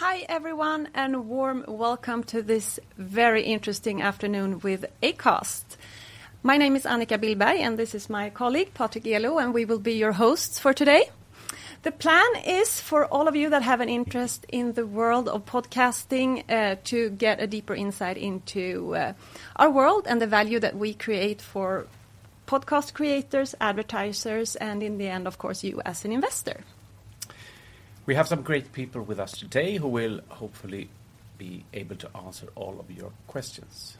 Hi everyone, a warm welcome to this very interesting afternoon with Acast. My name is Annika Billberg, and this is my colleague, Patrick Elo, and we will be your hosts for today. The plan is for all of you that have an interest in the world of podcasting, to get a deeper insight into, our world and the value that we create for podcast creators, advertisers, and in the end, of course, you as an investor. We have some great people with us today who will hopefully be able to answer all of your questions.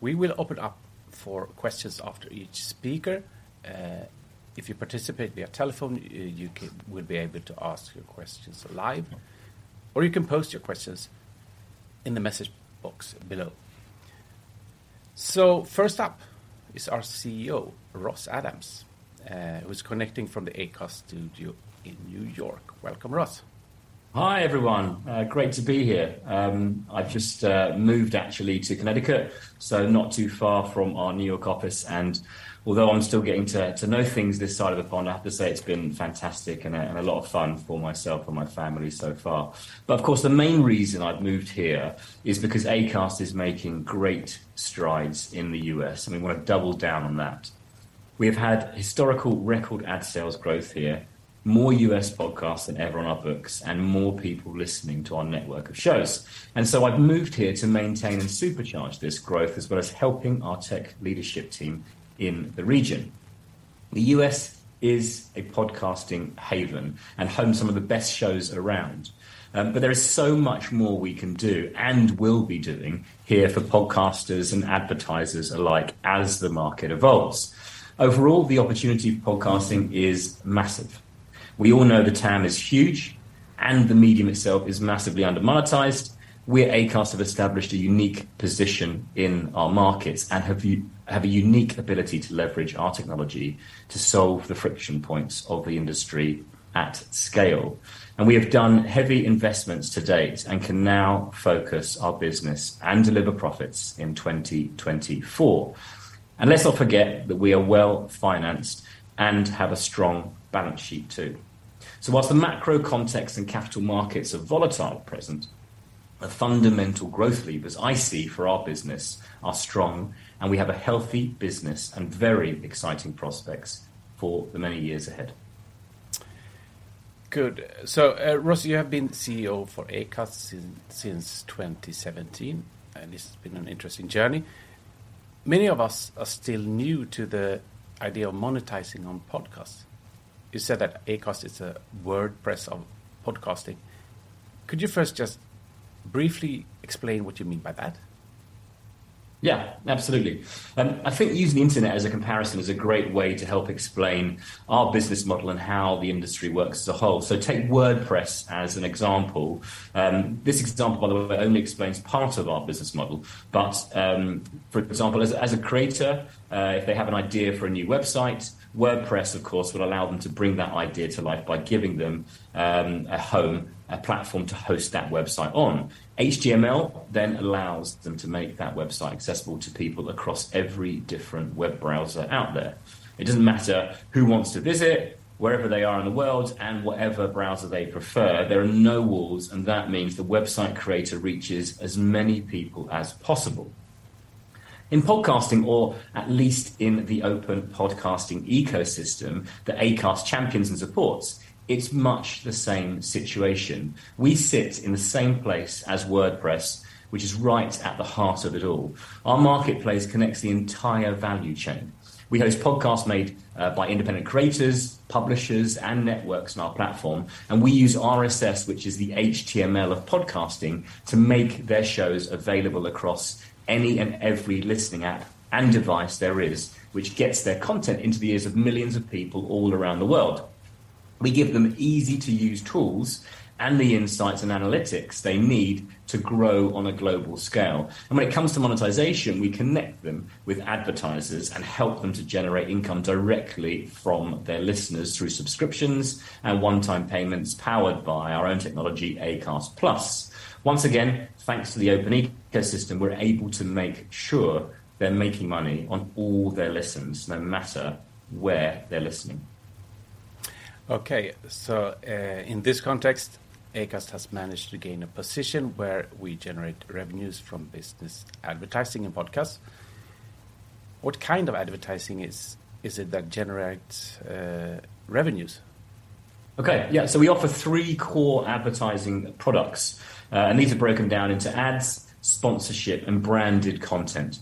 We will open up for questions after each speaker. If you participate via telephone, you will be able to ask your questions live, or you can post your questions in the message box below. First up is our CEO, Ross Adams, who's connecting from the Acast studio in New York. Welcome, Ross. Hi, everyone. Great to be here. I've just moved actually to Connecticut, so not too far from our New York office, and although I'm still getting to know things this side of the pond, I have to say it's been fantastic and a lot of fun for myself and my family so far. Of course, the main reason I've moved here is because Acast is making great strides in the U.S., and we wanna double down on that. We have had historical record ad sales growth here, more U.S. podcasts than ever on our books, and more people listening to our network of shows. I've moved here to maintain and supercharge this growth, as well as helping our tech leadership team in the region. The U.S. is a podcasting haven and home to some of the best shows around. There is so much more we can do and will be doing here for podcasters and advertisers alike as the market evolves. Overall, the opportunity for podcasting is massive. We all know the TAM is huge, and the medium itself is massively under-monetized. We at Acast have established a unique position in our markets and have a unique ability to leverage our technology to solve the friction points of the industry at scale. We have done heavy investments to date and can now focus our business and deliver profits in 2024. Let's not forget that we are well-financed and have a strong balance sheet too. While the macro context and capital markets are volatile at present, the fundamental growth levers I see for our business are strong, and we have a healthy business and very exciting prospects for the many years ahead. Good. Ross, you have been CEO for Acast since 2017, and this has been an interesting journey. Many of us are still new to the idea of monetizing on podcasts. You said that Acast is a WordPress of podcasting. Could you first just briefly explain what you mean by that? Yeah, absolutely. I think using the internet as a comparison is a great way to help explain our business model and how the industry works as a whole. Take WordPress as an example. This example, by the way, only explains part of our business model. For example, as a creator, if they have an idea for a new website, WordPress, of course, would allow them to bring that idea to life by giving them a home, a platform to host that website on. HTML then allows them to make that website accessible to people across every different web browser out there. It doesn't matter who wants to visit, wherever they are in the world, and whatever browser they prefer. There are no walls, and that means the website creator reaches as many people as possible. In podcasting, or at least in the open podcasting ecosystem that Acast champions and supports, it's much the same situation. We sit in the same place as WordPress, which is right at the heart of it all. Our marketplace connects the entire value chain. We host podcasts made by independent creators, publishers, and networks on our platform, and we use RSS, which is the HTML of podcasting, to make their shows available across any and every listening app and device there is, which gets their content into the ears of millions of people all around the world. We give them easy-to-use tools and the insights and analytics they need to grow on a global scale. When it comes to monetization, we connect them with advertisers and help them to generate income directly from their listeners through subscriptions and one-time payments powered by our own technology, Acast+. Once again, thanks to the open ecosystem, we're able to make sure they're making money on all their listens, no matter where they're listening. In this context, Acast has managed to gain a position where we generate revenues from business advertising and podcasts. What kind of advertising is it that generates revenues? Okay. Yeah. We offer three core advertising products, and these are broken down into ads, sponsorship, and branded content.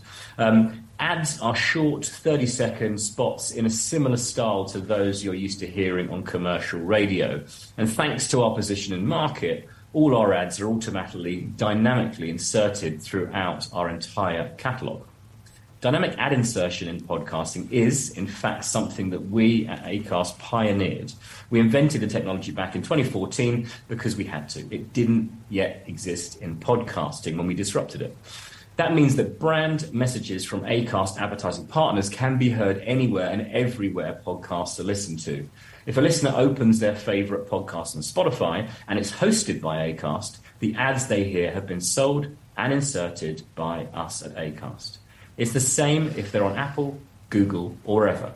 Ads are short 30-second spots in a similar style to those you're used to hearing on commercial radio. Thanks to our position in market, all our ads are automatically dynamically inserted throughout our entire catalog. Dynamic ad insertion in podcasting is, in fact, something that we at Acast pioneered. We invented the technology back in 2014 because we had to. It didn't yet exist in podcasting when we disrupted it. That means that brand messages from Acast advertising partners can be heard anywhere and everywhere podcasts are listened to. If a listener opens their favorite podcast on Spotify, and it's hosted by Acast, the ads they hear have been sold and inserted by us at Acast. It's the same if they're on Apple, Google, or wherever.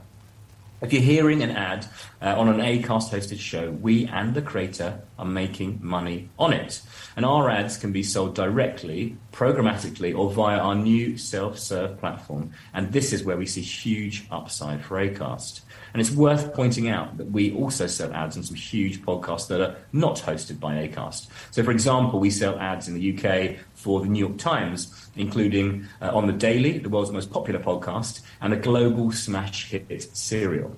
If you're hearing an ad on an Acast-hosted show, we and the creator are making money on it, and our ads can be sold directly, programmatically or via our new self-serve platform. This is where we see huge upside for Acast. It's worth pointing out that we also sell ads on some huge podcasts that are not hosted by Acast. For example, we sell ads in the UK for The New York Times, including on The Daily, the world's most popular podcast, and a global smash hit, Serial.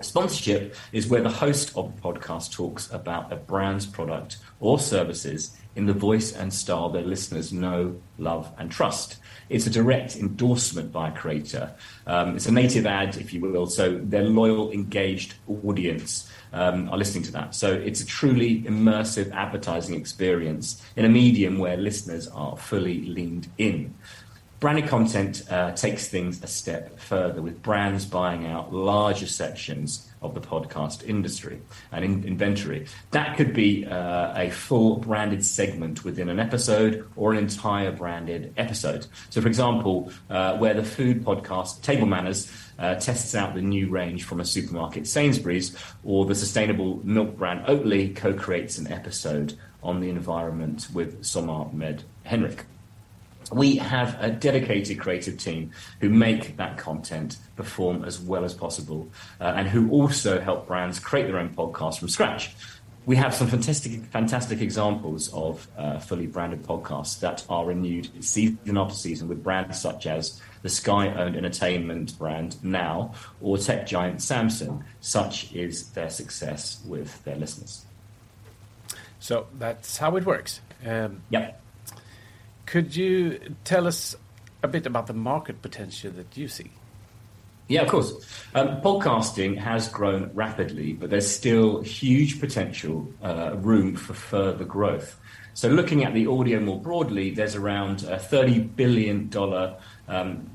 Sponsorship is where the host of a podcast talks about a brand's product or services in the voice and style their listeners know, love and trust. It's a direct endorsement by a creator. It's a native ad, if you will. Their loyal, engaged audience are listening to that. It's a truly immersive advertising experience in a medium where listeners are fully leaned in. Branded content takes things a step further, with brands buying out larger sections of the podcast industry and in inventory. That could be a full branded segment within an episode or an entire branded episode. For example, where the food podcast, Table Manners, tests out the new range from a supermarket, Sainsbury's, or the sustainable milk brand Oatly co-creates an episode on the environment with Somna med Henrik. We have a dedicated creative team who make that content perform as well as possible, and who also help brands create their own podcast from scratch. We have some fantastic examples of fully branded podcasts that are renewed season after season with brands such as the Sky-owned entertainment brand NOW or tech giant Samsung, such is their success with their listeners. That's how it works. Yep. Could you tell us a bit about the market potential that you see? Yeah, of course. Podcasting has grown rapidly, but there's still huge potential room for further growth. Looking at the audio more broadly, there's around $30 billion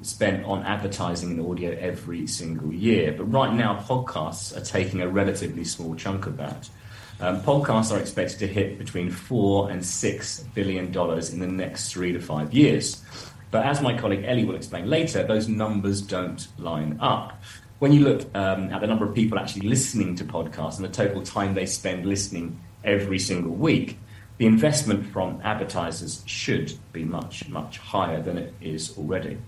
spent on advertising in audio every single year. Right now, podcasts are taking a relatively small chunk of that. Podcasts are expected to hit between $4 billion-$6 billion in the next 3-5 years. As my colleague Elli will explain later, those numbers don't line up. When you look at the number of people actually listening to podcasts and the total time they spend listening every single week, the investment from advertisers should be much, much higher than it is already.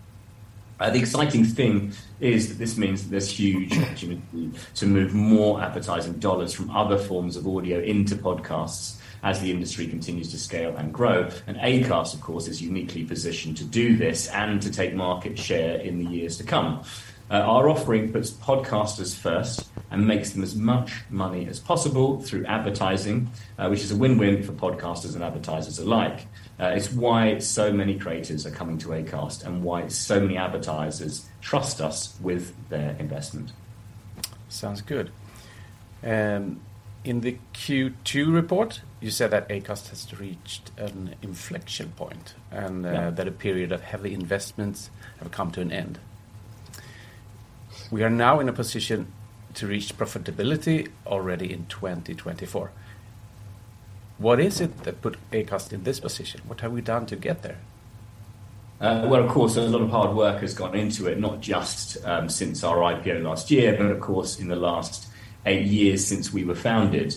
The exciting thing is that this means that there's huge opportunity to move more advertising dollars from other forms of audio into podcasts as the industry continues to scale and grow. Acast, of course, is uniquely positioned to do this and to take market share in the years to come. Our offering puts podcasters first and makes them as much money as possible through advertising, which is a win-win for podcasters and advertisers alike. It's why so many creators are coming to Acast and why so many advertisers trust us with their investment. Sounds good. In the Q2 report, you said that Acast has reached an inflection point. Yeah that a period of heavy investments have come to an end. We are now in a position to reach profitability already in 2024. What is it that put Acast in this position? What have we done to get there? Well, of course, a lot of hard work has gone into it, not just since our IPO last year, but of course, in the last eight years since we were founded.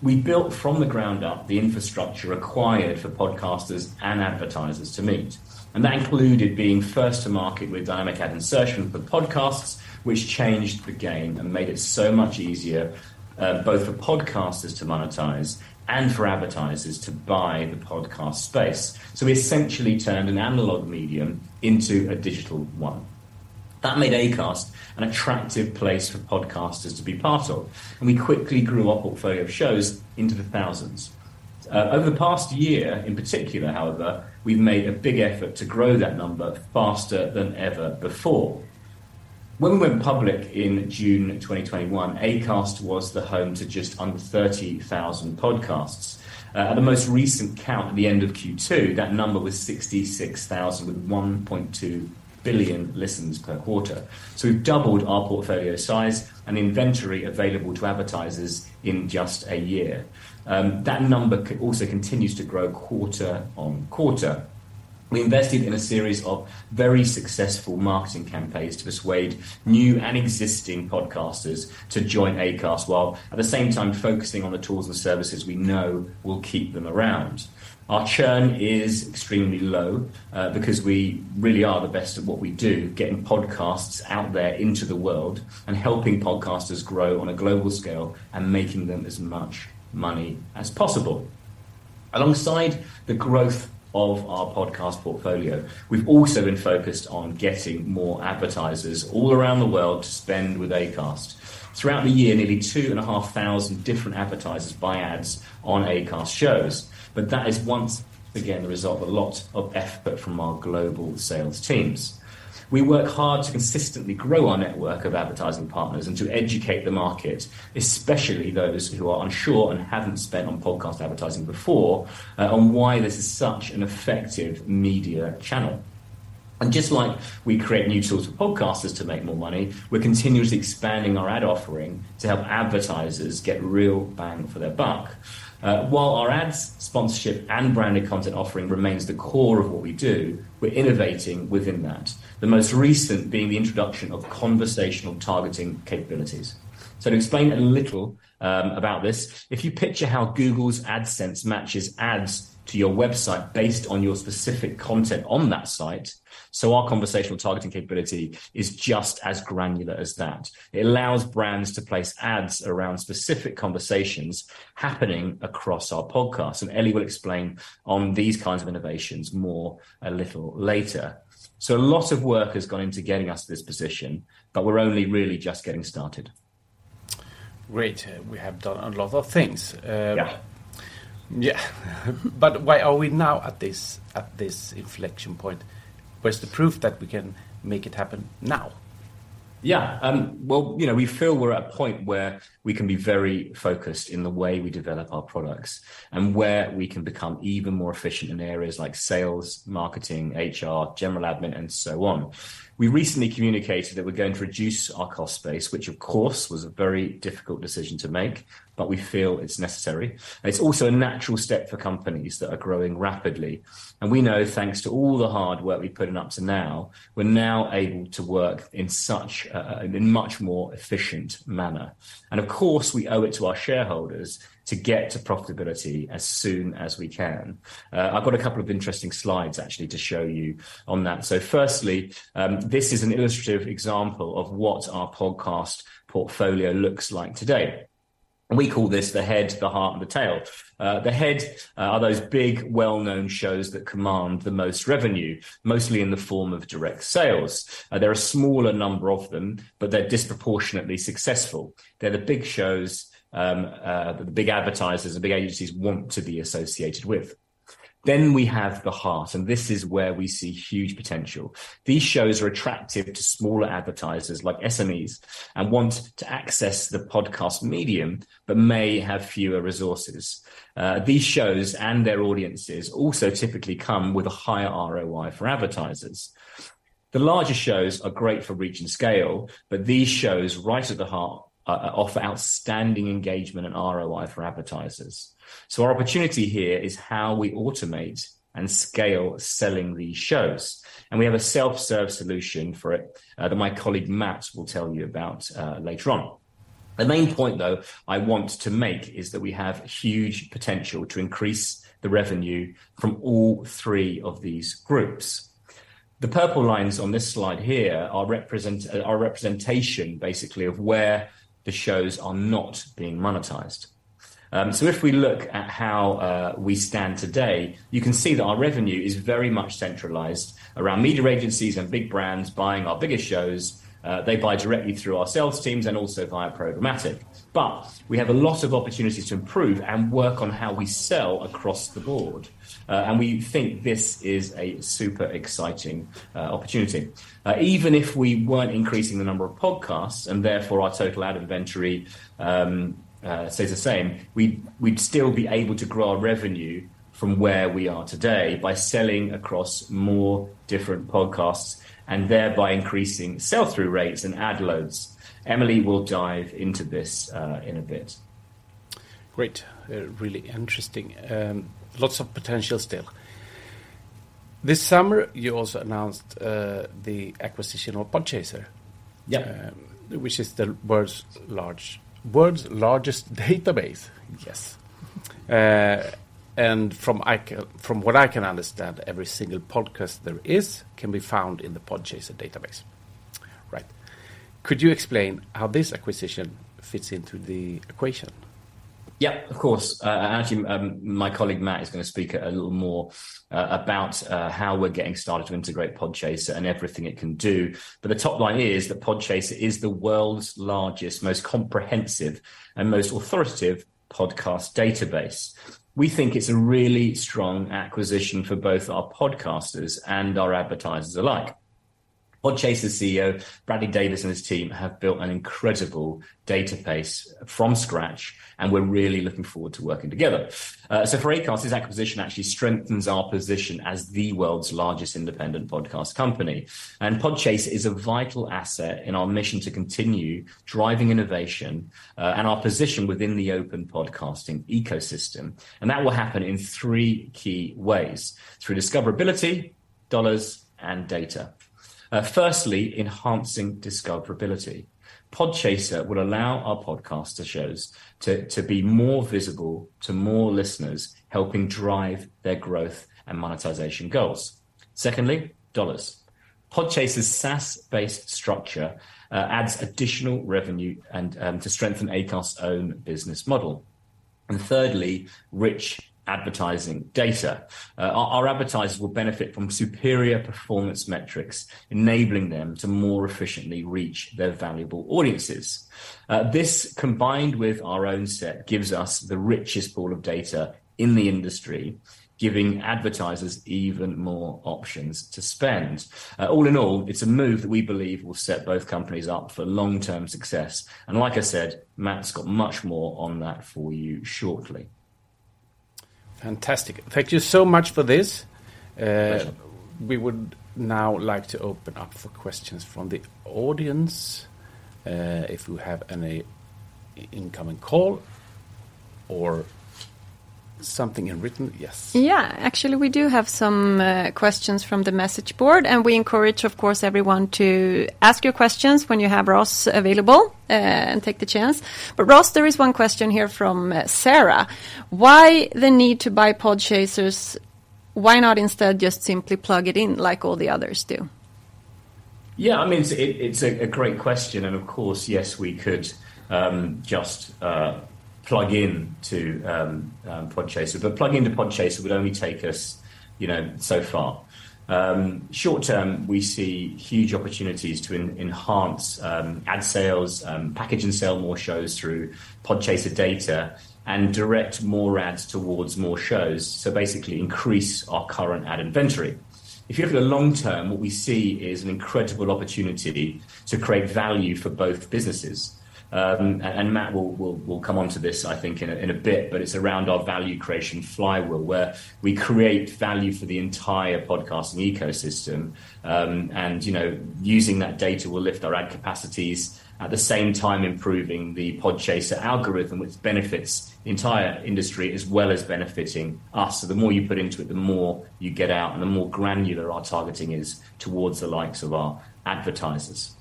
We built from the ground up the infrastructure required for podcasters and advertisers to meet, and that included being first to market with dynamic ad insertion for podcasts, which changed the game and made it so much easier, both for podcasters to monetize and for advertisers to buy the podcast space. We essentially turned an analog medium into a digital one. That made Acast an attractive place for podcasters to be part of, and we quickly grew our portfolio of shows into the thousands. Over the past year in particular, however, we've made a big effort to grow that number faster than ever before. When we went public in June 2021, Acast was the home to just under 30,000 podcasts. At the most recent count at the end of Q2, that number was 66,000 with 1.2 billion listens per quarter. We've doubled our portfolio size and inventory available to advertisers in just a year. That number also continues to grow quarter-over-quarter. We invested in a series of very successful marketing campaigns to persuade new and existing podcasters to join Acast, while at the same time focusing on the tools and services we know will keep them around. Our churn is extremely low, because we really are the best at what we do, getting podcasts out there into the world and helping podcasters grow on a global scale and making them as much money as possible. Alongside the growth of our podcast portfolio, we've also been focused on getting more advertisers all around the world to spend with Acast. Throughout the year, nearly 2,500 different advertisers buy ads on Acast shows. That is once again the result of a lot of effort from our global sales teams. We work hard to consistently grow our network of advertising partners and to educate the market, especially those who are unsure and haven't spent on podcast advertising before, on why this is such an effective media channel. Just like we create new tools for podcasters to make more money, we're continuously expanding our ad offering to help advertisers get real bang for their buck. While our ads sponsorship and branded content offering remains the core of what we do, we're innovating within that. The most recent being the introduction of conversational targeting capabilities. To explain a little, about this, if you picture how Google's AdSense matches ads to your website based on your specific content on that site, our conversational targeting capability is just as granular as that. It allows brands to place ads around specific conversations happening across our podcasts, and Elli will explain on these kinds of innovations more a little later. A lot of work has gone into getting us to this position, but we're only really just getting started. Great. We have done a lot of things. Yeah. Yeah. Why are we now at this inflection point? Where's the proof that we can make it happen now? Yeah. well we feel we're at a point where we can be very focused in the way we develop our products and where we can become even more efficient in areas like sales, marketing, HR, general admin, and so on. We recently communicated that we're going to reduce our cost base, which of course, was a very difficult decision to make, but we feel it's necessary. It's also a natural step for companies that are growing rapidly. We know thanks to all the hard work we've put in up to now, we're now able to work in such a much more efficient manner. Of course, we owe it to our shareholders to get to profitability as soon as we can. I've got a couple of interesting slides actually to show you on that. First, this is an illustrative example of what our podcast portfolio looks like today. We call this the head, the heart, and the tail. The head are those big well-known shows that command the most revenue, mostly in the form of direct sales. There are a smaller number of them, but they're disproportionately successful. They're the big shows, the big advertisers, the big agencies want to be associated with. We have the heart, and this is where we see huge potential. These shows are attractive to smaller advertisers like SMEs and want to access the podcast medium but may have fewer resources. These shows and their audiences also typically come with a higher ROI for advertisers. The larger shows are great for reach and scale, but these shows right at the heart offer outstanding engagement and ROI for advertisers. Our opportunity here is how we automate and scale selling these shows, and we have a self-serve solution for it, that my colleague Matt will tell you about, later on. The main point, though, I want to make is that we have huge potential to increase the revenue from all three of these groups. The purple lines on this slide here are a representation, basically, of where the shows are not being monetized. If we look at how we stand today, you can see that our revenue is very much centralized around media agencies and big brands buying our biggest shows. They buy directly through our sales teams and also via programmatic. We have a lot of opportunity to improve and work on how we sell across the board. We think this is a super exciting opportunity. Even if we weren't increasing the number of podcasts, and therefore our total ad inventory stays the same, we'd still be able to grow our revenue from where we are today by selling across more different podcasts and thereby increasing sell-through rates and ad loads. Emily will dive into this in a bit. Great. Really interesting. Lots of potential still. This summer, you also announced the acquisition of Podchaser. Yeah. which is the world's largest database. Yes. From what I can understand, every single podcast there is can be found in the Podchaser database. Right. Could you explain how this acquisition fits into the equation? Yeah, of course. Actually, my colleague Matt is gonna speak a little more about how we're getting started to integrate Podchaser and everything it can do, but the top line is that Podchaser is the world's largest, most comprehensive and most authoritative podcast database. We think it's a really strong acquisition for both our podcasters and our advertisers alike. Podchaser's CEO, Bradley Davis, and his team have built an incredible database from scratch, and we're really looking forward to working together. So for Acast, this acquisition actually strengthens our position as the world's largest independent podcast company. Podchaser is a vital asset in our mission to continue driving innovation, and our position within the open podcasting ecosystem, and that will happen in three key ways, through discoverability, dollars, and data. First, enhancing discoverability. Podchaser will allow our podcasts to be more visible to more listeners, helping drive their growth and monetization goals. Secondly, dollars. Podchaser's SaaS-based structure adds additional revenue and to strengthen Acast's own business model. Thirdly, rich advertising data. Our advertisers will benefit from superior performance metrics, enabling them to more efficiently reach their valuable audiences. This combined with our own set gives us the richest pool of data in the industry, giving advertisers even more options to spend. All in all, it's a move that we believe will set both companies up for long-term success. Like I said, Matt's got much more on that for you shortly. Fantastic. Thank you so much for this. Pleasure. We would now like to open up for questions from the audience, if you have any incoming call or something in writing. Yes. Yeah. Actually, we do have some questions from the message board, and we encourage, of course, everyone to ask your questions when you have Ross available, and take the chance. Ross, there is one question here from Sarah. Why the need to buy Podchaser? Why not instead just simply plug it in like all the others do? Yeah, I mean, it's a great question. Of course, yes, we could just plug into Podchaser. But plugging into Podchaser would only take us so far. Short term, we see huge opportunities to enhance ad sales, package and sell more shows through Podchaser data and direct more ads towards more shows. So basically increase our current ad inventory. If you look at the long term, what we see is an incredible opportunity to create value for both businesses. Matt will come onto this, I think in a bit, but it's around our value creation flywheel, where we create value for the entire podcasting ecosystem. Using that data will lift our ad capacities at the same time improving the Podchaser algorithm, which benefits the entire industry as well as benefiting us. The more you put into it, the more you get out, and the more granular our targeting is towards the likes of our advertisers.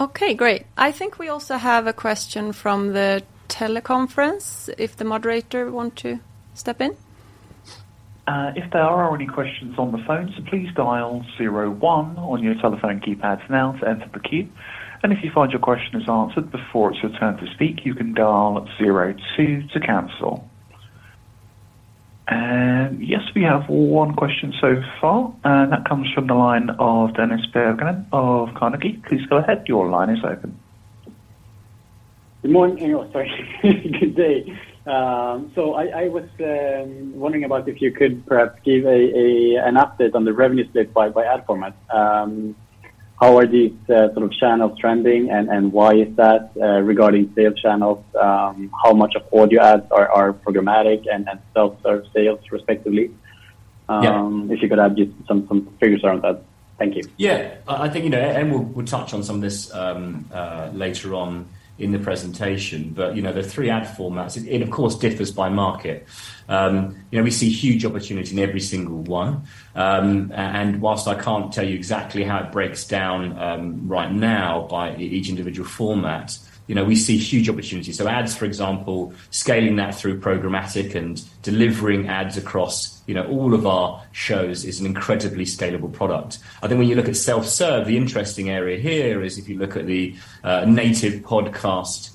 Okay, great. I think we also have a question from the teleconference, if the moderator want to step in. If there are any questions on the phone, so please dial zero one on your telephone keypads now to enter the queue. If you find your question is answered before it's your turn to speak, you can dial zero two to cancel. Yes, we have one question so far, and that comes from the line of Dennis Berggren of Carnegie. Please go ahead. Your line is open. Good day. I was wondering about if you could perhaps give an update on the revenue split by ad format. How are these sort of channels trending and why is that regarding sales channels? How much of audio ads are programmatic and self-serve sales respectively? Yeah. If you could add just some figures around that. Thank you. Yeah. I think we'll touch on some of this later on in the presentation, but you know, the three ad formats, it of course differs by market. You know, we see huge opportunity in every single one. And whilst I can't tell you exactly how it breaks down right now by each individual format we see huge opportunities. So ads, for example, scaling that through programmatic and delivering ads across all of our shows is an incredibly scalable product. I think when you look at self-serve, the interesting area here is if you look at the native podcast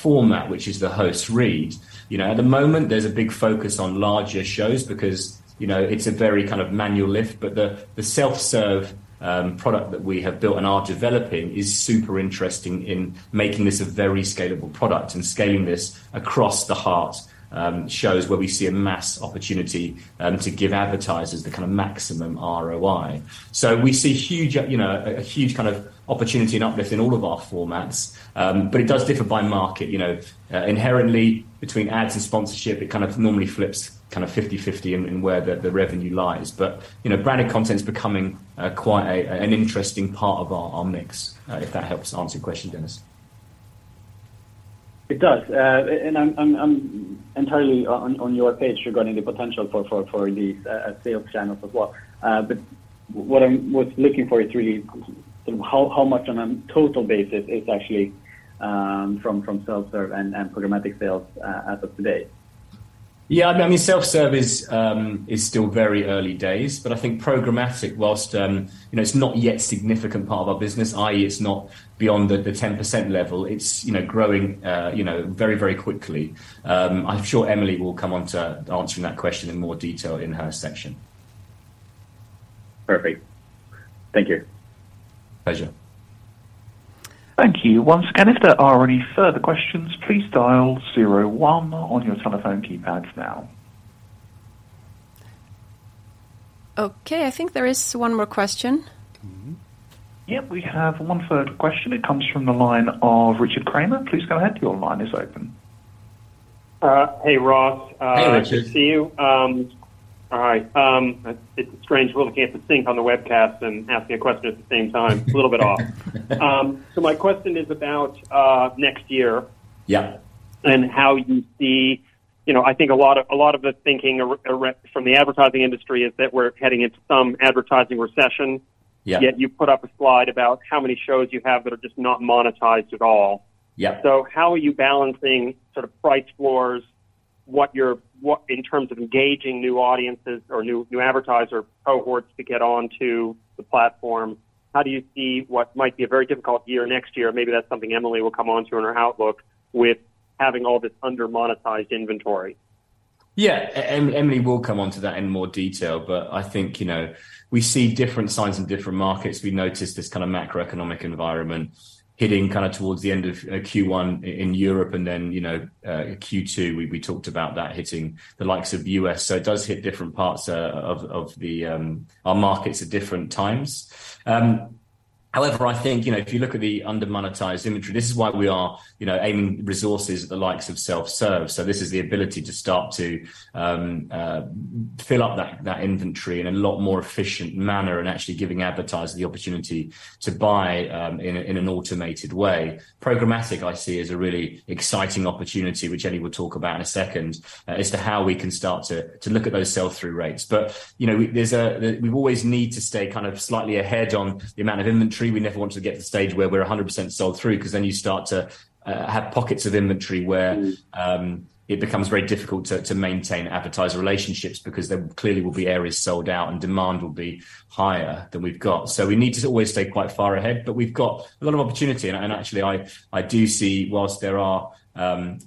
format, which is the host read at the moment, there's a big focus on larger shows because it's a very kind of manual lift. The self-serve product that we have built and are developing is super interesting in making this a very scalable product and scaling this across our shows where we see a massive opportunity to give advertisers the kind of maximum ROI. We see a huge kind of opportunity and uplift in all of our formats. It does differ by market. Inherently between ads and sponsorship, it kind of normally flips kind of 50/50 in where the revenue lies. Branded content is becoming quite an interesting part of our mix, if that helps answer your question, Dennis. It does. I'm entirely on your page regarding the potential for these sales channels as well. What I was looking for is really sort of how much on a total basis is actually from self-serve and programmatic sales as of today. Yeah. I mean, self-serve is still very early days, but I think programmatic, whilst it's not yet significant part of our business, i.e., it's not beyond the 10% level, it's growing very, very quickly. I'm sure Emily will come on to answering that question in more detail in her section. Perfect. Thank you. Pleasure. Thank you. Once again, if there are any further questions, please dial zero one on your telephone keypads now. Okay, I think there is one more question. Yep, we have one further question. It comes from the line of Richard Kramer. Please go ahead. Your line is open. Hey, Ross. Hey, Richard. Good to see you. All right. It's strange looking at the sync on the webcast and asking a question at the same time. It's a little bit off. My question is about next year- Yeah You know, I think a lot of the thinking from the advertising industry is that we're heading into some advertising recession. Yeah. You put up a slide about how many shows you have that are just not monetized at all. Yeah. How are you balancing sort of price floors, what in terms of engaging new audiences or new advertiser cohorts to get onto the platform, how do you see what might be a very difficult year next year? Maybe that's something Emily will come onto in her outlook with having all this under-monetized inventory. Yeah. Emily will come onto that in more detail. I think we see different signs in different markets. We notice this kind of macroeconomic environment hitting kinda towards the end of Q1 in Europe, and then Q2, we talked about that hitting the likes of U.S. It does hit different parts of our markets at different times. However, I think if you look at the under-monetized industry, this is why we are aiming resources at the likes of self-serve. This is the ability to start to fill up that inventory in a lot more efficient manner and actually giving advertisers the opportunity to buy in an automated way. Programmatic, I see, is a really exciting opportunity, which Elli will talk about in a second, as to how we can start to look at those sell-through rates. You know, we always need to stay kind of slightly ahead on the amount of inventory. We never want to get to the stage where we're 100% sold through, 'cause then you start to have pockets of inventory where- Mm. It becomes very difficult to maintain advertiser relationships because there clearly will be areas sold out, and demand will be higher than we've got. We need to always stay quite far ahead, but we've got a lot of opportunity, and actually I do see, while there are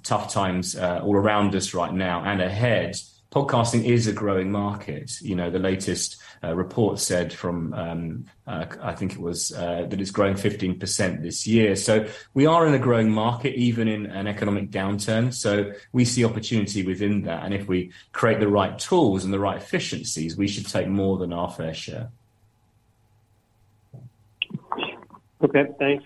tough times all around us right now and ahead, podcasting is a growing market. You know, the latest report said from I think it was that it's growing 15% this year. We are in a growing market even in an economic downturn, so we see opportunity within that, and if we create the right tools and the right efficiencies, we should take more than our fair share. Okay, thanks.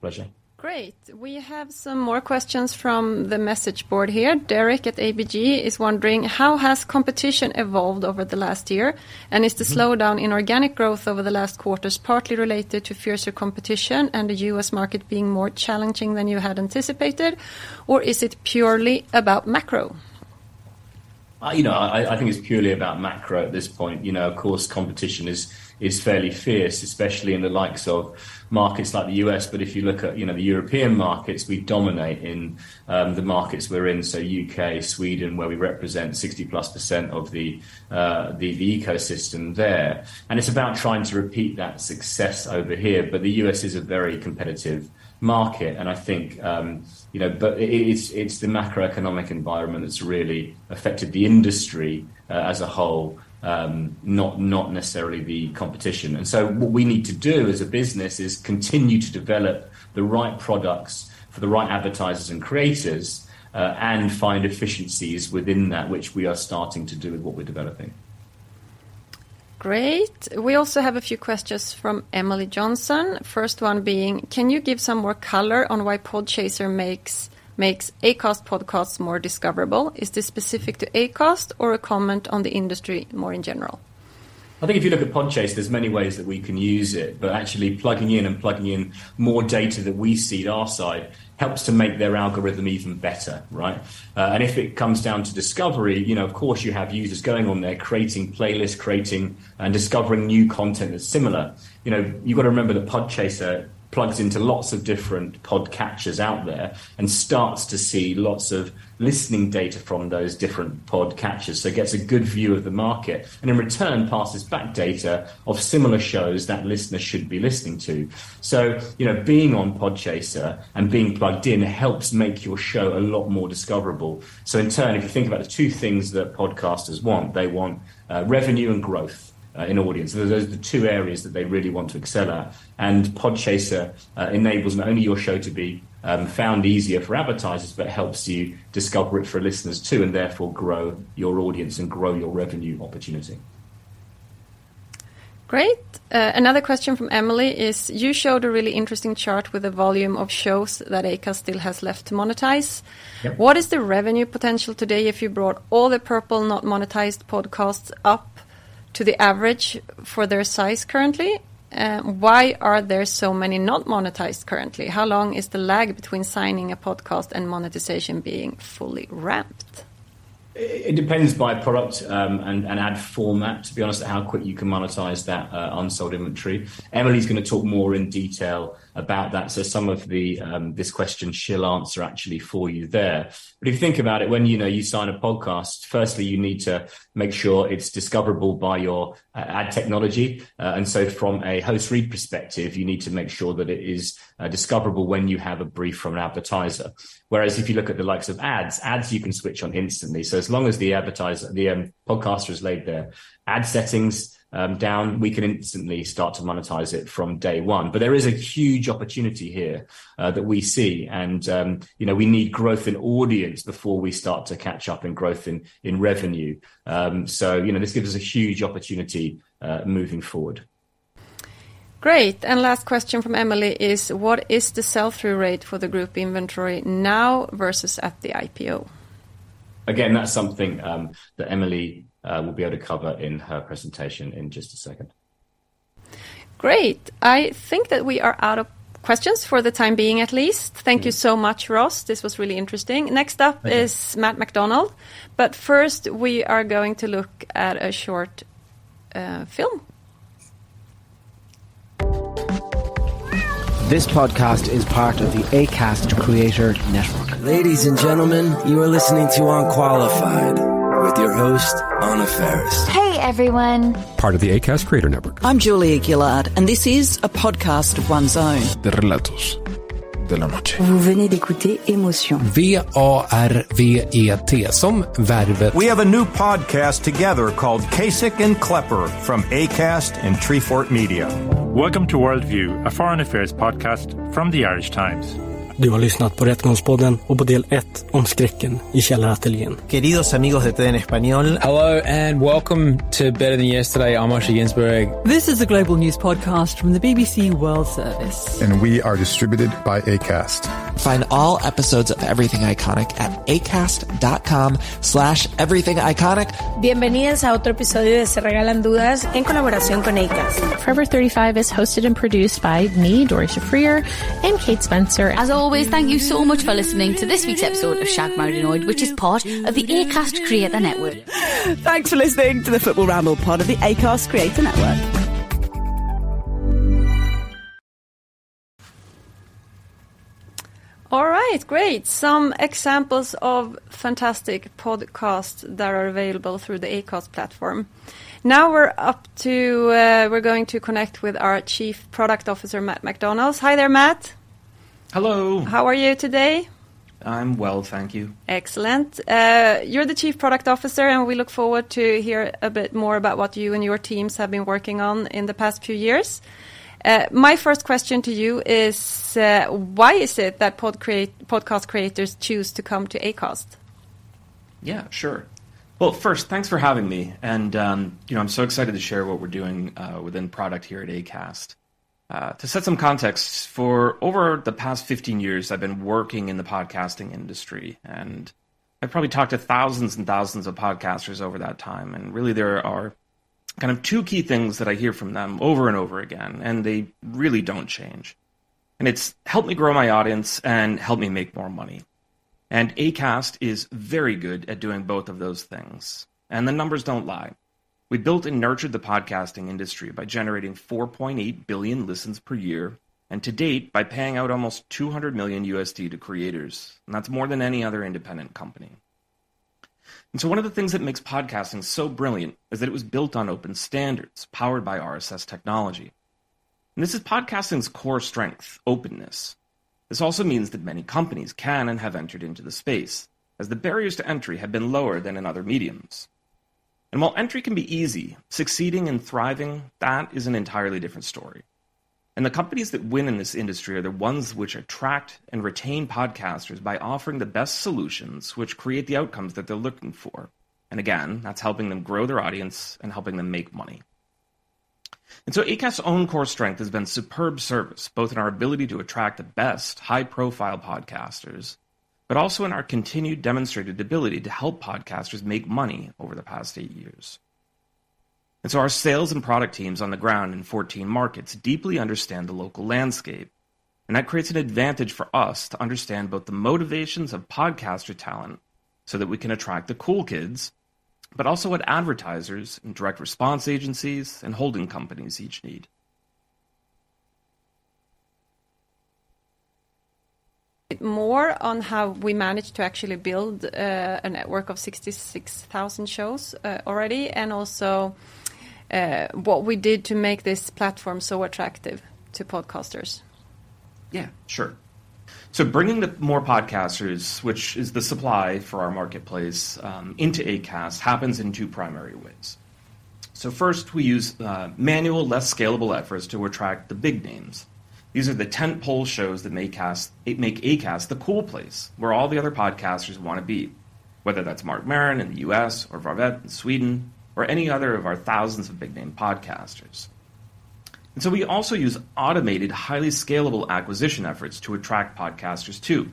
Pleasure. Great. We have some more questions from the message board here. Derek at ABG is wondering, "How has competition evolved over the last year? Is the slowdown in organic growth over the last quarters partly related to fiercer competition and the US market being more challenging than you had anticipated, or is it purely about macro? I think it's purely about macro at this point. You know, of course, competition is fairly fierce, especially in the likes of markets like the U.S. If you look at the European markets, we dominate in the markets we're in, so U.K., Sweden, where we represent 60%+ of the ecosystem there. It's about trying to repeat that success over here, but the U.S. is a very competitive market, and I think it is the macroeconomic environment that's really affected the industry as a whole, not necessarily the competition. What we need to do as a business is continue to develop the right products for the right advertisers and creators, and find efficiencies within that which we are starting to do with what we're developing. Great. We also have a few questions from Emily Johnson. First one being, "Can you give some more color on why Podchaser makes Acast podcasts more discoverable? Is this specific to Acast or a comment on the industry more in general? I think if you look at Podchaser, there's many ways that we can use it, but actually plugging in more data that we see at our side helps to make their algorithm even better, right? And if it comes down to discovery of course you have users going on there creating playlists, creating and discovering new content that's similar. You know, you've got to remember that Podchaser plugs into lots of different podcatchers out there and starts to see lots of listening data from those different podcatchers, so it gets a good view of the market and in return passes back data of similar shows that listeners should be listening to. You know, being on Podchaser and being plugged in helps make your show a lot more discoverable. In turn, if you think about the two things that podcasters want, they want revenue and growth in audience. Those are the two areas that they really want to excel at. Podchaser enables not only your show to be found easier for advertisers, but helps you discover it for listeners too, and therefore grow your audience and grow your revenue opportunity. Great. Another question from Emily is, "You showed a really interesting chart with the volume of shows that Acast still has left to monetize. Yep. What is the revenue potential today if you brought all the purple not-monetized podcasts up to the average for their size currently? Why are there so many not monetized currently? How long is the lag between signing a podcast and monetization being fully ramped? It depends on product and ad format, to be honest, how quick you can monetize that unsold inventory. Emily's gonna talk more in detail about that, so some of this question she'll answer actually for you there. If you think about it, when you know you sign a podcast, firstly you need to make sure it's discoverable by your ad technology. From a host read perspective, you need to make sure that it is discoverable when you have a brief from an advertiser. Whereas if you look at the likes of ads you can switch on instantly. As long as the podcaster has laid their ad settings down, we can instantly start to monetize it from day one. There is a huge opportunity here that we see, and you know, we need growth in audience before we start to catch up in growth in revenue. You know, this gives us a huge opportunity moving forward. Great. Last question from Emily is, "What is the sell-through rate for the group inventory now versus at the IPO? Again, that's something that Emily will be able to cover in her presentation in just a second. Great. I think that we are out of questions for the time being at least. Mm-hmm. Thank you so much, Ross. This was really interesting. Thank you. Next up is Matt MacDonald. First, we are going to look at a short film. This podcast is part of the Acast Creator Network. Ladies and gentlemen, you are listening to Unqualified with your host, Anna Faris. Hey, everyone. Part of the Acast Creator Network. I'm Julia Gillard, and this is A Podcast of One's Own. You've been listening to Emotionell. V-A-R-V-E-T. We have a new podcast together called Kasich & Klepper from Acast and Treefort Media. Welcome to World View, a foreign affairs podcast from The Irish Times. You have been listening to Rättegångspodden and episode 1 about the horror in the basement workshop. Dear friends of TV in Spanish. Hello, and welcome to Better Than Yesterday. I'm Moshe Ginsburg. This is the Global News Podcast from the BBC World Service. We are distributed by Acast. Find all episodes of Everything Iconic at acast.com/everythingiconic. Welcome to another episode of Se Regalan Dudas in collaboration with Acast. Forever35 is hosted and produced by me, Doree Shafrir, and Kate Spencer. As always, thank you so much for listening to this week's episode of Shagged Married Annoyed, which is part of the Acast Creator Network. Thanks for listening to the Football Ramble, part of the Acast Creator Network. All right, great. Some examples of fantastic podcasts that are available through the Acast platform. Now we're up to, we're going to connect with our Chief Product Officer, Matt MacDonald. Hi there, Matt. Hello. How are you today? I'm well, thank you. Excellent. You're the Chief Product Officer, and we look forward to hear a bit more about what you and your teams have been working on in the past few years. My first question to you is, why is it that podcast creators choose to come to Acast? Yeah, sure. Well, first, thanks for having me, and I'm so excited to share what we're doing within product here at Acast. To set some context, for over the past 15 years, I've been working in the podcasting industry, and I've probably talked to thousands and thousands of podcasters over that time. Really there are kind of two key things that I hear from them over and over again, and they really don't change. It's help me grow my audience and help me make more money. Acast is very good at doing both of those things, and the numbers don't lie. We built and nurtured the podcasting industry by generating 4.8 billion listens per year, and to date, by paying out almost $200 million to creators, and that's more than any other independent company. One of the things that makes podcasting so brilliant is that it was built on open standards powered by RSS technology. This is podcasting's core strength, openness. This also means that many companies can and have entered into the space, as the barriers to entry have been lower than in other media. While entry can be easy, succeeding and thriving, that is an entirely different story. The companies that win in this industry are the ones which attract and retain podcasters by offering the best solutions which create the outcomes that they're looking for. Again, that's helping them grow their audience and helping them make money. Acast's own core strength has been superb service, both in our ability to attract the best high-profile podcasters, but also in our continued demonstrated ability to help podcasters make money over the past eight years. Our sales and product teams on the ground in 14 markets deeply understand the local landscape, and that creates an advantage for us to understand both the motivations of podcaster talent so that we can attract the cool kids, but also what advertisers and direct response agencies and holding companies each need. More on how we managed to actually build a network of 66,000 shows already, and also what we did to make this platform so attractive to podcasters. Yeah, sure. Bringing more podcasters, which is the supply for our marketplace, into Acast, happens in two primary ways. First, we use manual, less scalable efforts to attract the big names. These are the tentpole shows that make Acast the cool place where all the other podcasters wanna be, whether that's Marc Maron in the U.S. or Värvet in Sweden or any other of our thousands of big-name podcasters. We also use automated, highly scalable acquisition efforts to attract podcasters too.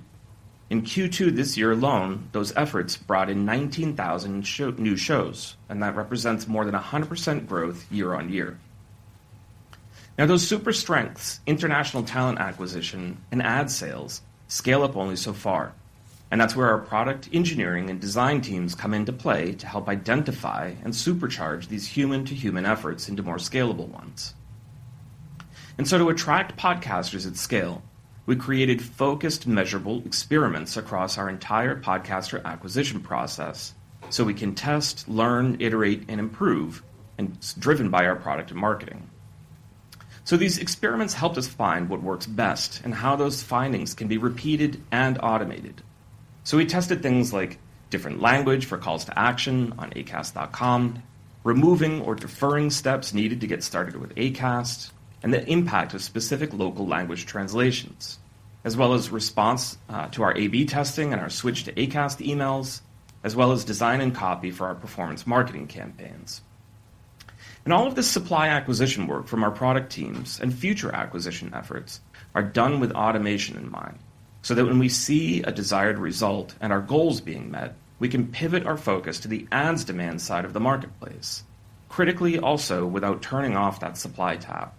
In Q2 this year alone, those efforts brought in 19,000 new shows, and that represents more than 100% growth year-over-year. Now, those super strengths, international talent acquisition and ad sales, scale up only so far, and that's where our product engineering and design teams come into play to help identify and supercharge these human-to-human efforts into more scalable ones. To attract podcasters at scale, we created focused measurable experiments across our entire podcaster acquisition process, so we can test, learn, iterate, and improve, and it's driven by our product and marketing. These experiments helped us find what works best and how those findings can be repeated and automated. We tested things like different language for calls to action on Acast.com, removing or deferring steps needed to get started with Acast, and the impact of specific local language translations, as well as response to our A/B testing and our switch to Acast emails, as well as design and copy for our performance marketing campaigns. All of this supply acquisition work from our product teams and future acquisition efforts are done with automation in mind, so that when we see a desired result and our goals being met, we can pivot our focus to the ads demand side of the marketplace, critically also without turning off that supply tap.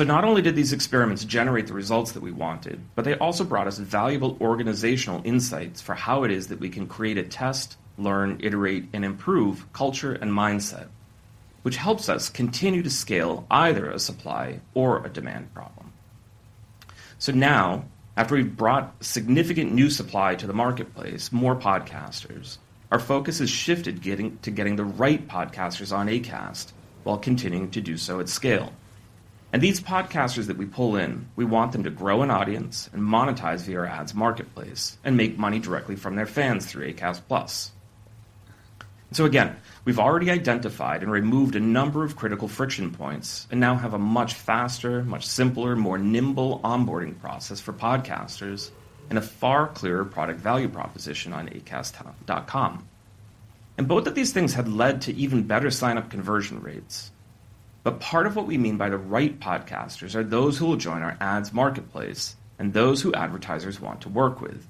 Not only did these experiments generate the results that we wanted, but they also brought us valuable organizational insights for how it is that we can create a test, learn, iterate, and improve culture and mindset, which helps us continue to scale either a supply or a demand problem. Now, after we've brought significant new supply to the marketplace, more podcasters. Our focus has shifted to getting the right podcasters on Acast while continuing to do so at scale. These podcasters that we pull in, we want them to grow an audience and monetize via our ads marketplace and make money directly from their fans through Acast+. Again, we've already identified and removed a number of critical friction points and now have a much faster, much simpler, more nimble onboarding process for podcasters and a far clearer product value proposition on Acast.com. Both of these things have led to even better sign-up conversion rates. Part of what we mean by the right podcasters are those who will join our ads marketplace and those who advertisers want to work with,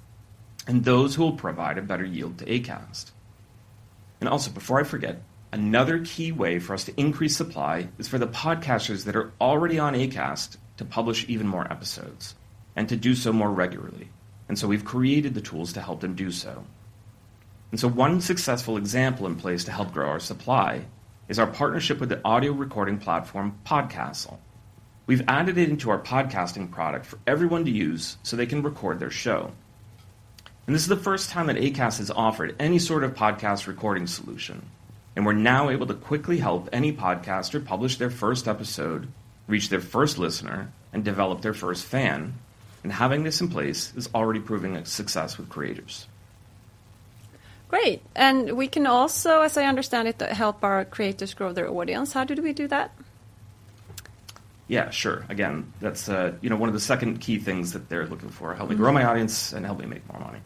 and those who will provide a better yield to Acast. Also, before I forget, another key way for us to increase supply is for the podcasters that are already on Acast to publish even more episodes and to do so more regularly. We've created the tools to help them do so. One successful example in place to help grow our supply is our partnership with the audio recording platform, Podcastle. We've added it into our podcasting product for everyone to use so they can record their show. This is the first time that Acast has offered any sort of podcast recording solution, and we're now able to quickly help any podcaster publish their first episode, reach their first listener, and develop their first fan. Having this in place is already proving a success with creators. Great. We can also, as I understand it, help our creators grow their audience. How do we do that? Yeah, sure. Again, that's one of the second key things that they're looking for, help me grow my audience and help me make more money.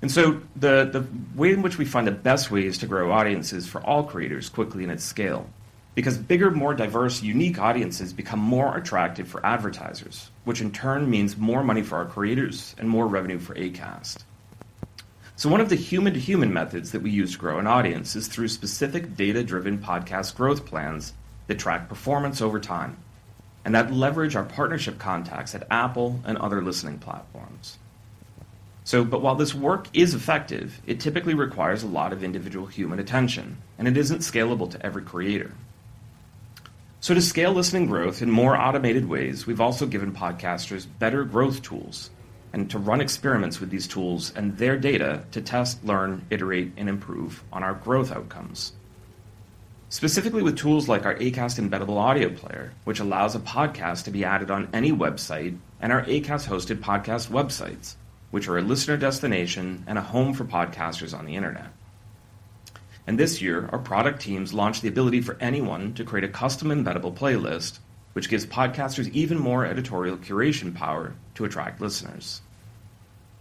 The way in which we find the best ways to grow audiences for all creators quickly and at scale, because bigger, more diverse, unique audiences become more attractive for advertisers, which in turn means more money for our creators and more revenue for Acast. One of the human-to-human methods that we use to grow an audience is through specific data-driven podcast growth plans that track performance over time and that leverage our partnership contacts at Apple and other listening platforms. While this work is effective, it typically requires a lot of individual human attention, and it isn't scalable to every creator. To scale listening growth in more automated ways, we've also given podcasters better growth tools and to run experiments with these tools and their data to test, learn, iterate, and improve on our growth outcomes. Specifically with tools like our Acast Embeddable Audio Player, which allows a podcast to be added on any website, and our Acast-hosted podcast websites, which are a listener destination and a home for podcasters on the internet. This year, our product teams launched the ability for anyone to create a custom embeddable playlist, which gives podcasters even more editorial curation power to attract listeners.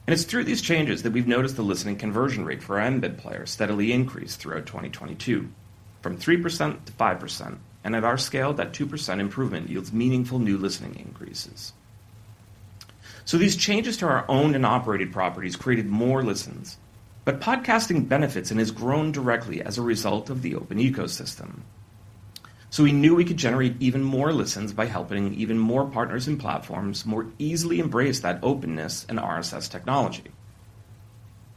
It's through these changes that we've noticed the listening conversion rate for our embed player steadily increase throughout 2022 from 3% to 5%. At our scale, that 2% improvement yields meaningful new listening increases. These changes to our owned and operated properties created more listens. Podcasting benefits and has grown directly as a result of the open ecosystem. We knew we could generate even more listens by helping even more partners and platforms more easily embrace that openness and RSS technology.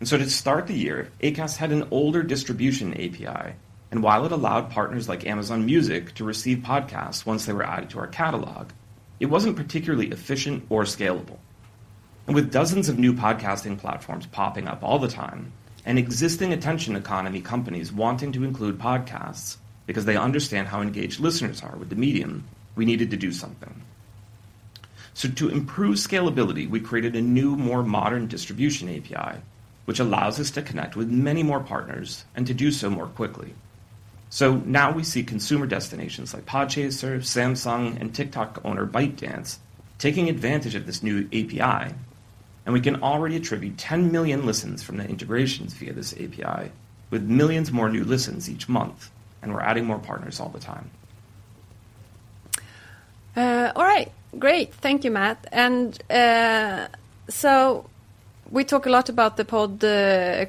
To start the year, Acast had an older distribution API, and while it allowed partners like Amazon Music to receive podcasts once they were added to our catalog, it wasn't particularly efficient or scalable. With dozens of new podcasting platforms popping up all the time and existing attention economy companies wanting to include podcasts because they understand how engaged listeners are with the medium, we needed to do something. To improve scalability, we created a new, more modern distribution API, which allows us to connect with many more partners and to do so more quickly. Now we see consumer destinations like Podchaser, Samsung, and TikTok owner ByteDance taking advantage of this new API, and we can already attribute 10 million listens from the integrations via this API with millions more new listens each month, and we're adding more partners all the time. All right. Great. Thank you, Matt. So we talk a lot about the pod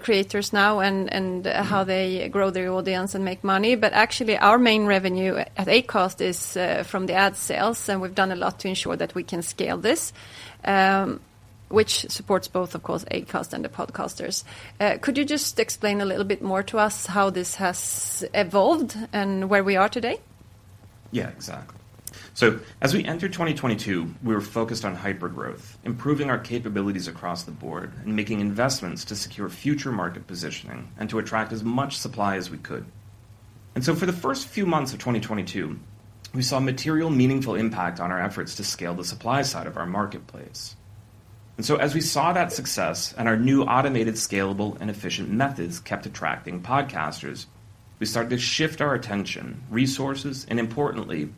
creators now and how they grow their audience and make money, but actually our main revenue at Acast is from the ad sales, and we've done a lot to ensure that we can scale this, which supports both, of course, Acast and the podcasters. Could you just explain a little bit more to us how this has evolved and where we are today? Yeah, exactly. As we entered 2022, we were focused on hypergrowth, improving our capabilities across the board, and making investments to secure future market positioning and to attract as much supply as we could. For the first few months of 2022, we saw material meaningful impact on our efforts to scale the supply side of our marketplace. As we saw that success and our new automated, scalable, and efficient methods kept attracting podcasters, we started to shift our attention, resources, and importantly,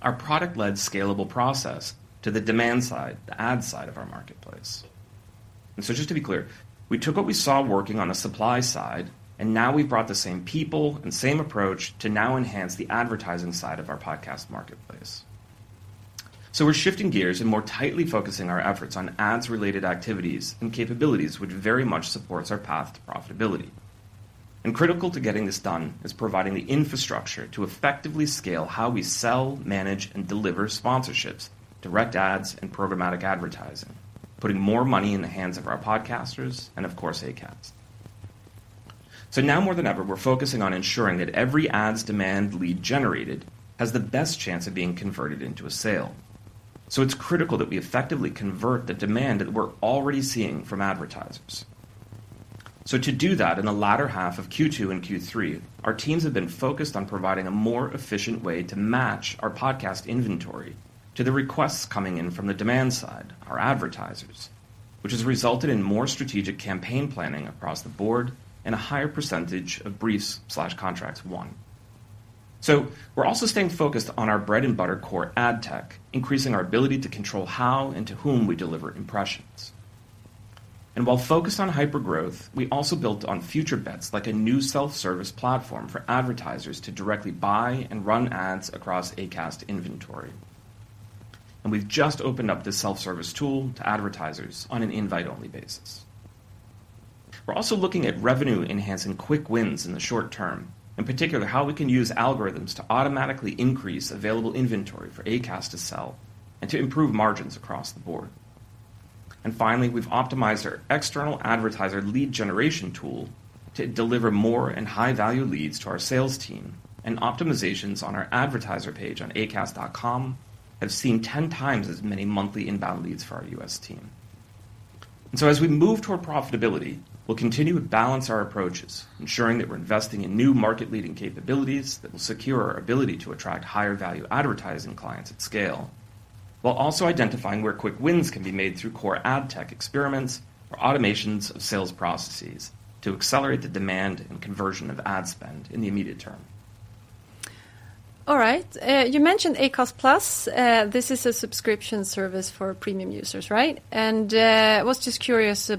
our product-led scalable process to the demand side, the ad side of our marketplace. Just to be clear, we took what we saw working on the supply side, and now we've brought the same people and same approach to now enhance the advertising side of our podcast marketplace. We're shifting gears and more tightly focusing our efforts on ads-related activities and capabilities, which very much supports our path to profitability. Critical to getting this done is providing the infrastructure to effectively scale how we sell, manage, and deliver sponsorships, direct ads, and programmatic advertising, putting more money in the hands of our podcasters and, of course, Acast. Now more than ever, we're focusing on ensuring that every ads demand lead generated has the best chance of being converted into a sale. It's critical that we effectively convert the demand that we're already seeing from advertisers. To do that in the latter half of Q2 and Q3, our teams have been focused on providing a more efficient way to match our podcast inventory to the requests coming in from the demand side, our advertisers, which has resulted in more strategic campaign planning across the board and a higher percentage of briefs/contracts won. We're also staying focused on our bread and butter core ad tech, increasing our ability to control how and to whom we deliver impressions. While focused on hypergrowth, we also built on future bets like a new self-service platform for advertisers to directly buy and run ads across Acast inventory. We've just opened up this self-service tool to advertisers on an invite-only basis. We're also looking at revenue-enhancing quick wins in the short term. In particular, how we can use algorithms to automatically increase available inventory for Acast to sell and to improve margins across the board. Finally, we've optimized our external advertiser lead generation tool to deliver more and high-value leads to our sales team, and optimizations on our advertiser page on Acast.com have seen 10 times as many monthly inbound leads for our U.S. team. As we move toward profitability, we'll continue to balance our approaches, ensuring that we're investing in new market-leading capabilities that will secure our ability to attract higher-value advertising clients at scale, while also identifying where quick wins can be made through core ad tech experiments or automations of sales processes to accelerate the demand and conversion of ad spend in the immediate term. All right. You mentioned Acast+. This is a subscription service for premium users, right? I was just curious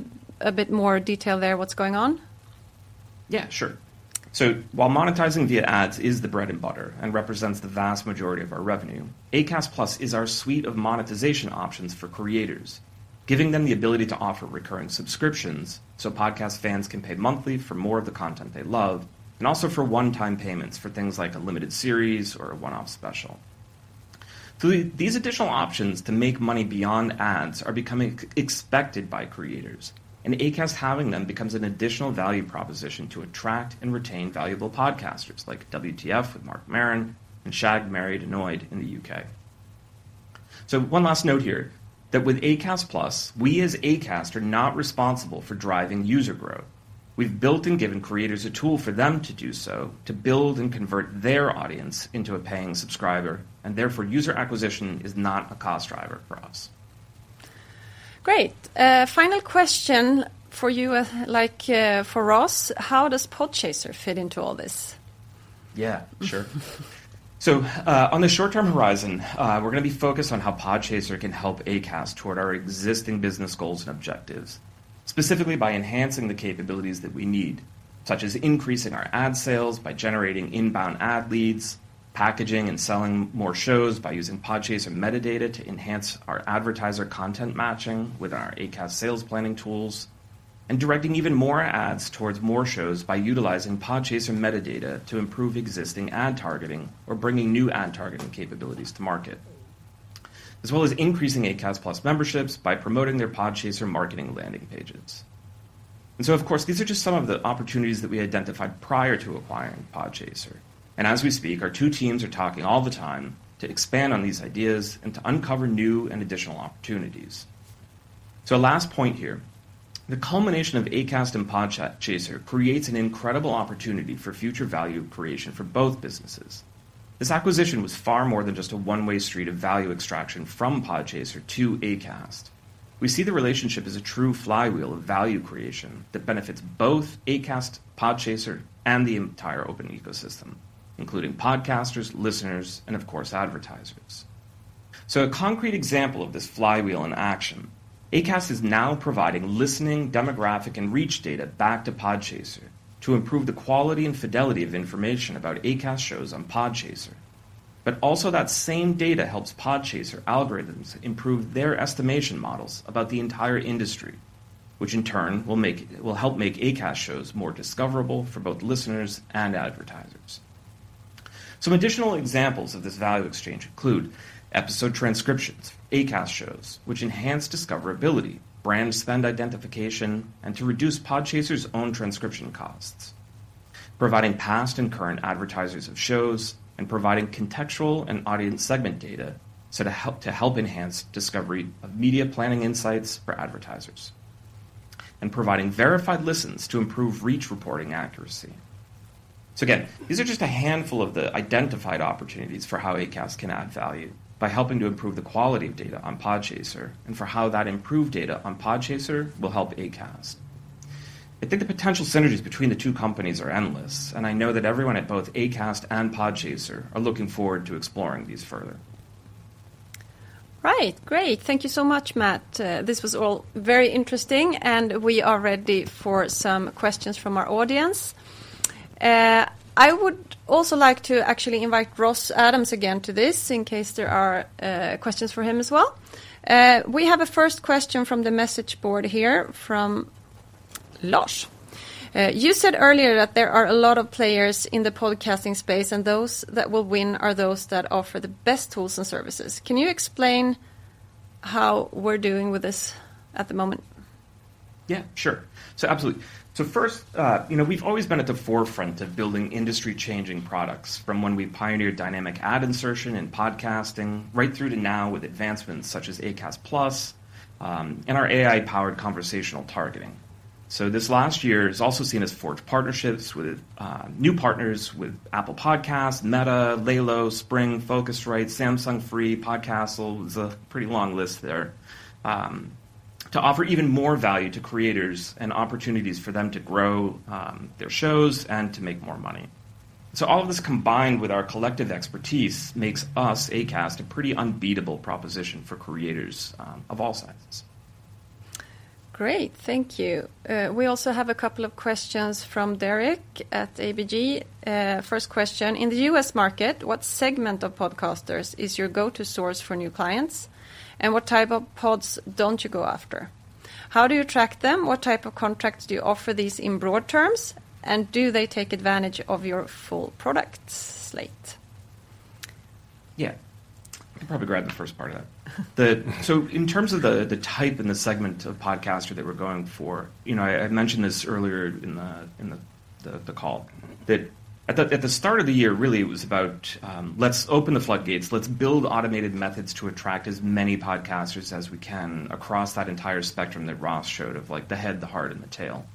a bit more detail there what's going on. Yeah, sure. While monetizing via ads is the bread and butter and represents the vast majority of our revenue, Acast Plus is our suite of monetization options for creators, giving them the ability to offer recurring subscriptions, so podcast fans can pay monthly for more of the content they love, and also for one-time payments for things like a limited series or a one-off special. These additional options to make money beyond ads are becoming expected by creators, and Acast having them becomes an additional value proposition to attract and retain valuable podcasters like WTF with Marc Maron and Shagged, Married, Annoyed in the UK. One last note here, that with Acast Plus, we as Acast are not responsible for driving user growth. We've built and given creators a tool for them to do so to build and convert their audience into a paying subscriber, and therefore, user acquisition is not a cost driver for us. Great. Final question for you, like, for Ross, how does Podchaser fit into all this? Yeah, sure. On the short-term horizon, we're gonna be focused on how Podchaser can help Acast toward our existing business goals and objectives, specifically by enhancing the capabilities that we need, such as increasing our ad sales by generating inbound ad leads, packaging and selling more shows by using Podchaser metadata to enhance our advertiser content matching with our Acast sales planning tools, and directing even more ads towards more shows by utilizing Podchaser metadata to improve existing ad targeting or bringing new ad targeting capabilities to market, as well as increasing Acast+ memberships by promoting their Podchaser marketing landing pages. Of course, these are just some of the opportunities that we identified prior to acquiring Podchaser. As we speak, our two teams are talking all the time to expand on these ideas and to uncover new and additional opportunities. Last point here. The culmination of Acast and Podchaser creates an incredible opportunity for future value creation for both businesses. This acquisition was far more than just a one-way street of value extraction from Podchaser to Acast. We see the relationship as a true flywheel of value creation that benefits both Acast, Podchaser, and the entire open ecosystem, including podcasters, listeners, and of course, advertisers. A concrete example of this flywheel in action, Acast is now providing listening, demographic, and reach data back to Podchaser to improve the quality and fidelity of information about Acast shows on Podchaser. Also that same data helps Podchaser algorithms improve their estimation models about the entire industry, which in turn will help make Acast shows more discoverable for both listeners and advertisers. Some additional examples of this value exchange include episode transcriptions, Acast shows, which enhance discoverability, brand spend identification, and to reduce Podchaser's own transcription costs, providing past and current advertisers of shows, and providing contextual and audience segment data so to help enhance discovery of media planning insights for advertisers, and providing verified listens to improve reach reporting accuracy. Again, these are just a handful of the identified opportunities for how Acast can add value by helping to improve the quality of data on Podchaser and for how that improved data on Podchaser will help Acast. I think the potential synergies between the two companies are endless, and I know that everyone at both Acast and Podchaser are looking forward to exploring these further. Right. Great. Thank you so much, Matt. This was all very interesting, and we are ready for some questions from our audience. I would also like to actually invite Ross Adams again to this in case there are questions for him as well. We have a first question from the message board here from Lars. You said earlier that there are a lot of players in the podcasting space, and those that will win are those that offer the best tools and services. Can you explain how we're doing with this at the moment? Yeah, sure. Absolutely. first we've always been at the forefront of building industry-changing products from when we pioneered dynamic ad insertion in podcasting right through to now with advancements such as Acast Plus and our AI-powered conversational targeting. This last year has also seen us forge partnerships with new partners with Apple Podcasts, Meta, LELO, Spring, Focusrite, Samsung Free, Podcastle. There's a pretty long list there. To offer even more value to creators and opportunities for them to grow their shows and to make more money. All of this combined with our collective expertise makes us, Acast, a pretty unbeatable proposition for creators of all sizes. Great. Thank you. We also have a couple of questions from Derek at ABG. First question: In the U.S. market, what segment of podcasters is your go-to source for new clients? And what type of pods don't you go after? How do you track them? What type of contracts do you offer these in broad terms? And do they take advantage of your full product slate? Yeah. I'll probably grab the first part of that. In terms of the type and the segment of podcaster that we're going for I mentioned this earlier in the call that at the start of the year, really it was about, let's open the floodgates, let's build automated methods to attract as many podcasters as we can across that entire spectrum that Ross showed of, like, the head, the heart and the tail.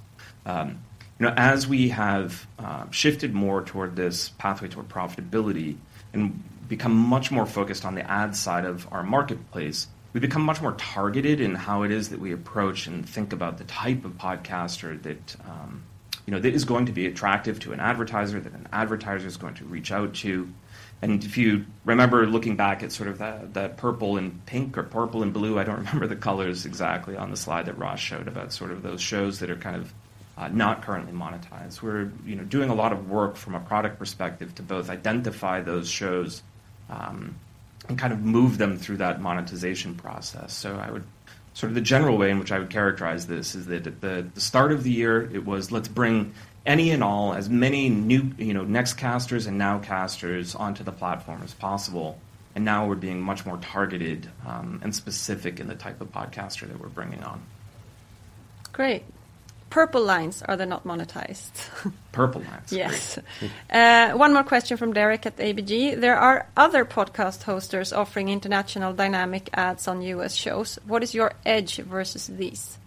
You know, as we have shifted more toward this pathway toward profitability and become much more focused on the ad side of our marketplace, we've become much more targeted in how it is that we approach and think about the type of podcaster that that is going to be attractive to an advertiser, that an advertiser is going to reach out to. If you remember looking back at sort of that purple and pink or purple and blue, I don't remember the colors exactly on the slide that Ross showed about sort of those shows that are kind of not currently monetized. You know, we're doing a lot of work from a product perspective to both identify those shows and kind of move them through that monetization process. Sort of the general way in which I would characterize this is that at the start of the year, it was, let's bring any and all, as many new podcasters and podcasters onto the platform as possible. Now we're being much more targeted and specific in the type of podcaster that we're bringing on. Great. Purple lines are the non-monetized. Purple lines. Great. Yes. One more question from Derek at ABG. There are other podcast hosters offering international dynamic ads on US shows. What is your edge versus these?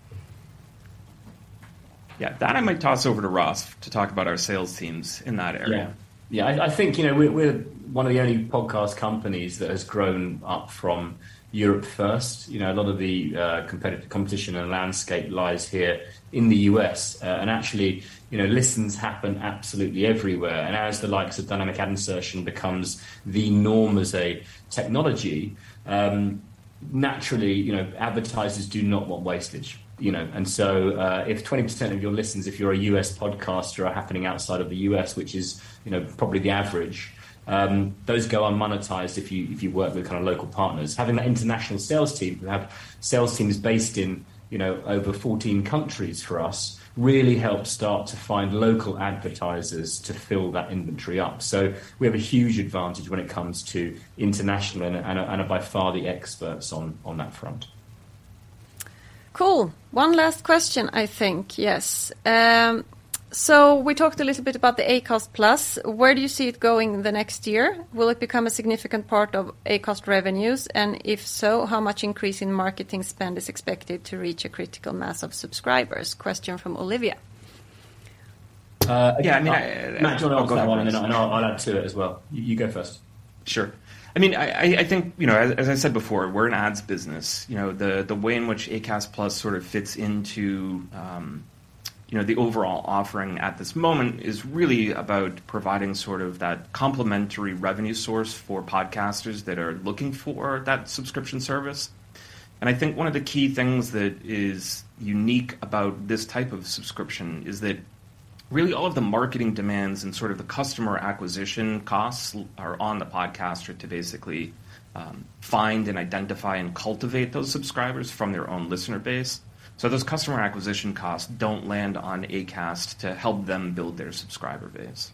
Yeah. That I might toss over to Ross to talk about our sales teams in that area. I think we're one of the only podcast companies that has grown up from Europe first. You know, a lot of the competition and landscape lies here in the US. actually listens happen absolutely everywhere. As the likes of dynamic ad insertion becomes the norm as a technology, naturally advertisers do not want wastage. If 20% of your listens, if you're a US podcaster, are happening outside of the US, which is probably the average, those go unmonetized if you work with kind of local partners. Having that international sales team, we have sales teams based in over 14 countries for us, really helped start to find local advertisers to fill that inventory up. We have a huge advantage when it comes to international and are by far the experts on that front. Cool. One last question, I think. Yes. We talked a little bit about the Acast+. Where do you see it going the next year? Will it become a significant part of Acast revenues? If so, how much increase in marketing spend is expected to reach a critical mass of subscribers? Question from Olivia. Yeah, I mean. Matt, do you wanna go that one and then I'll add to it as well. You go first. Sure. I mean, I think as I said before, we're an ads business. You know, the way in which Acast Plus sort of fits into the overall offering at this moment is really about providing sort of that complementary revenue source for podcasters that are looking for that subscription service. I think one of the key things that is unique about this type of subscription is that really all of the marketing demands and sort of the customer acquisition costs are on the podcaster to basically, find and identify and cultivate those subscribers from their own listener base. Those customer acquisition costs don't land on Acast to help them build their subscriber base.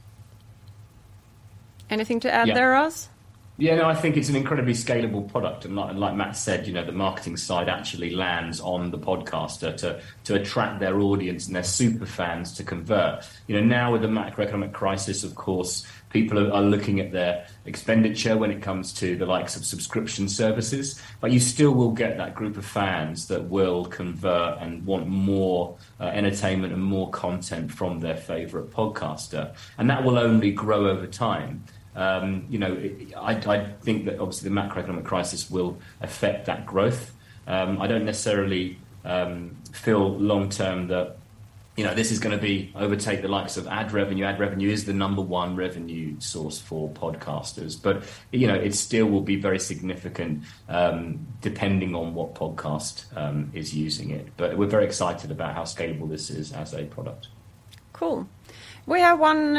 Anything to add there, Ross? Yeah. Yeah, no, I think it's an incredibly scalable product. Like Matt said the marketing side actually lands on the podcaster to attract their audience and their super fans to convert. You know, now with the macroeconomic crisis, of course, people are looking at their expenditure when it comes to the likes of subscription services. You still will get that group of fans that will convert and want more entertainment and more content from their favorite podcaster. That will only grow over time. You know, I think that obviously the macroeconomic crisis will affect that growth. I don't necessarily feel long term that this is gonna be overtake the likes of ad revenue. Ad revenue is the number one revenue source for podcasters. You know, it still will be very significant, depending on what podcast is using it. We're very excited about how scalable this is as a product. Cool. We have one,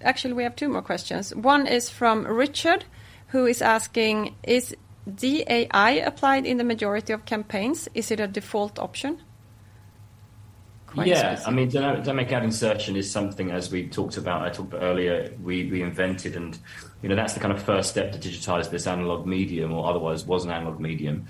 actually, we have two more questions. One is from Richard, who is asking, "Is DAI applied in the majority of campaigns? Is it a default option?" Quite specific. Yeah. I mean, dynamic ad insertion is something, as we talked about, I talked about earlier, we invented and that's the kind of first step to digitize this analog medium or otherwise was an analog medium.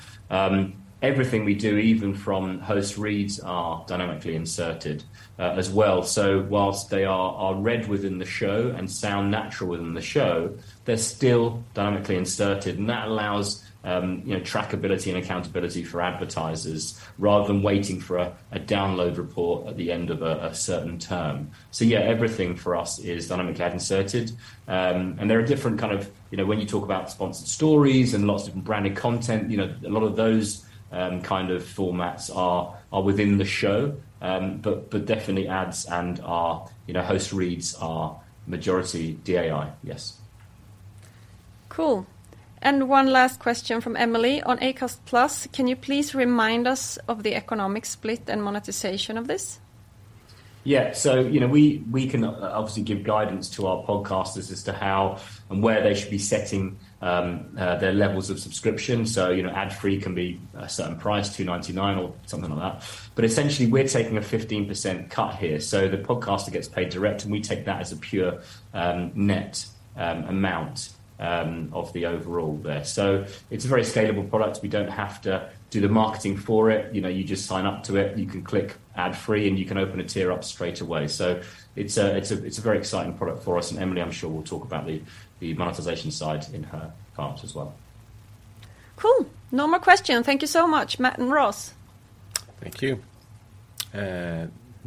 Everything we do, even from host reads, are dynamically inserted as well. While they are read within the show and sound natural within the show, they're still dynamically inserted, and that allows trackability and accountability for advertisers rather than waiting for a download report at the end of a certain term. Yeah, everything for us is dynamically ad inserted. There are different kind of when you talk about sponsored stories and lots of different branded content a lot of those, kind of formats are within the show. Definitely, ads and our host reads are majority DAI. Yes. Cool. One last question from Emily on Acast+. Can you please remind us of the economic split and monetization of this? Yeah. You know, we can obviously give guidance to our podcasters as to how and where they should be setting their levels of subscription. You know, ad-free can be a certain price, $2.99 or something like that. But essentially, we're taking a 15% cut here. The podcaster gets paid direct, and we take that as a pure net amount of the overall there. It's a very scalable product. We don't have to do the marketing for it. You know, you just sign up to it, and you can click ad-free, and you can open a tier up straight away. It's a very exciting product for us. Emily, I'm sure, will talk about the monetization side in her part as well. Cool. No more questions. Thank you so much, Matt and Ross. Thank you.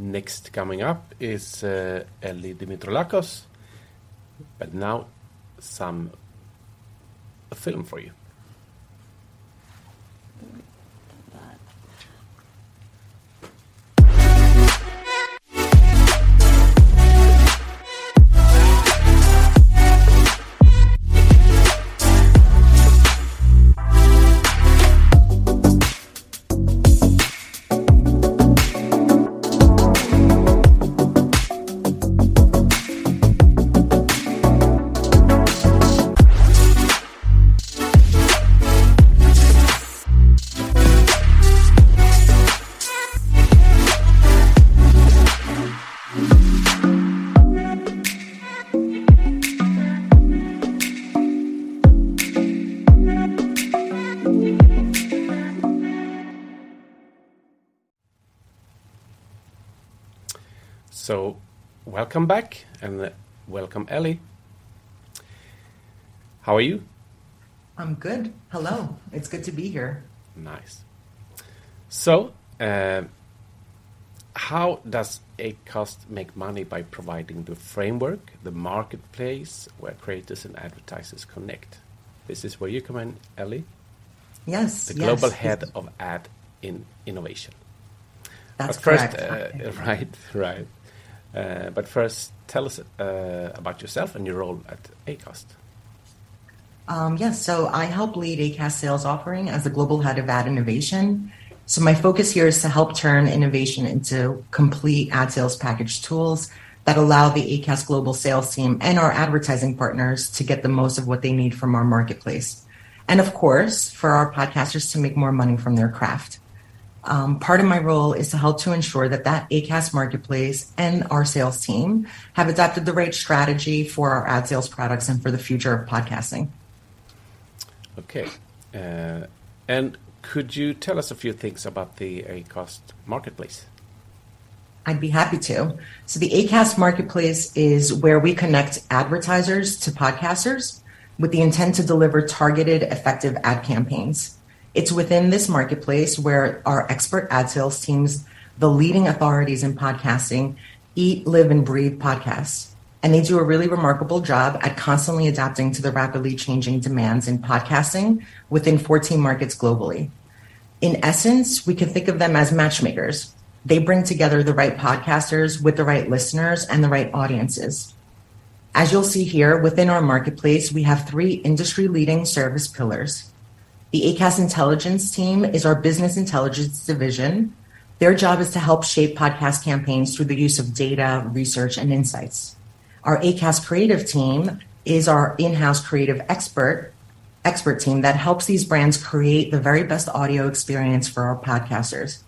Next coming up is Elli Dimitroulakos, but now some time for you. Welcome back, and welcome, Elli Dimitroulakos. How are you? I'm good. Hello. It's good to be here. Nice. How does Acast make money by providing the framework, the marketplace where creators and advertisers connect? This is where you come in, Elli. Yes. Yes. The Global Head of Ad Innovation. That's correct. Tell us about yourself and your role at Acast. Yes. I help lead Acast sales offering as the global head of ad innovation. My focus here is to help turn innovation into complete ad sales package tools that allow the Acast global sales team and our advertising partners to get the most of what they need from our marketplace, and of course, for our podcasters to make more money from their craft. Part of my role is to help ensure that Acast marketplace and our sales team have adopted the right strategy for our ad sales products and for the future of podcasting. Okay. Could you tell us a few things about the Acast marketplace? I'd be happy to. The Acast marketplace is where we connect advertisers to podcasters with the intent to deliver targeted, effective ad campaigns. It's within this marketplace where our expert ad sales teams, the leading authorities in podcasting, eat, live, and breathe podcasts. They do a really remarkable job at constantly adapting to the rapidly changing demands in podcasting within 14 markets globally. In essence, we can think of them as matchmakers. They bring together the right podcasters with the right listeners and the right audiences. As you'll see here, within our marketplace, we have three industry-leading service pillars. The Acast Intelligence team is our business intelligence division. Their job is to help shape podcast campaigns through the use of data, research, and insights. Our Acast Creative team is our in-house creative expert team that helps these brands create the very best audio experience for our podcasters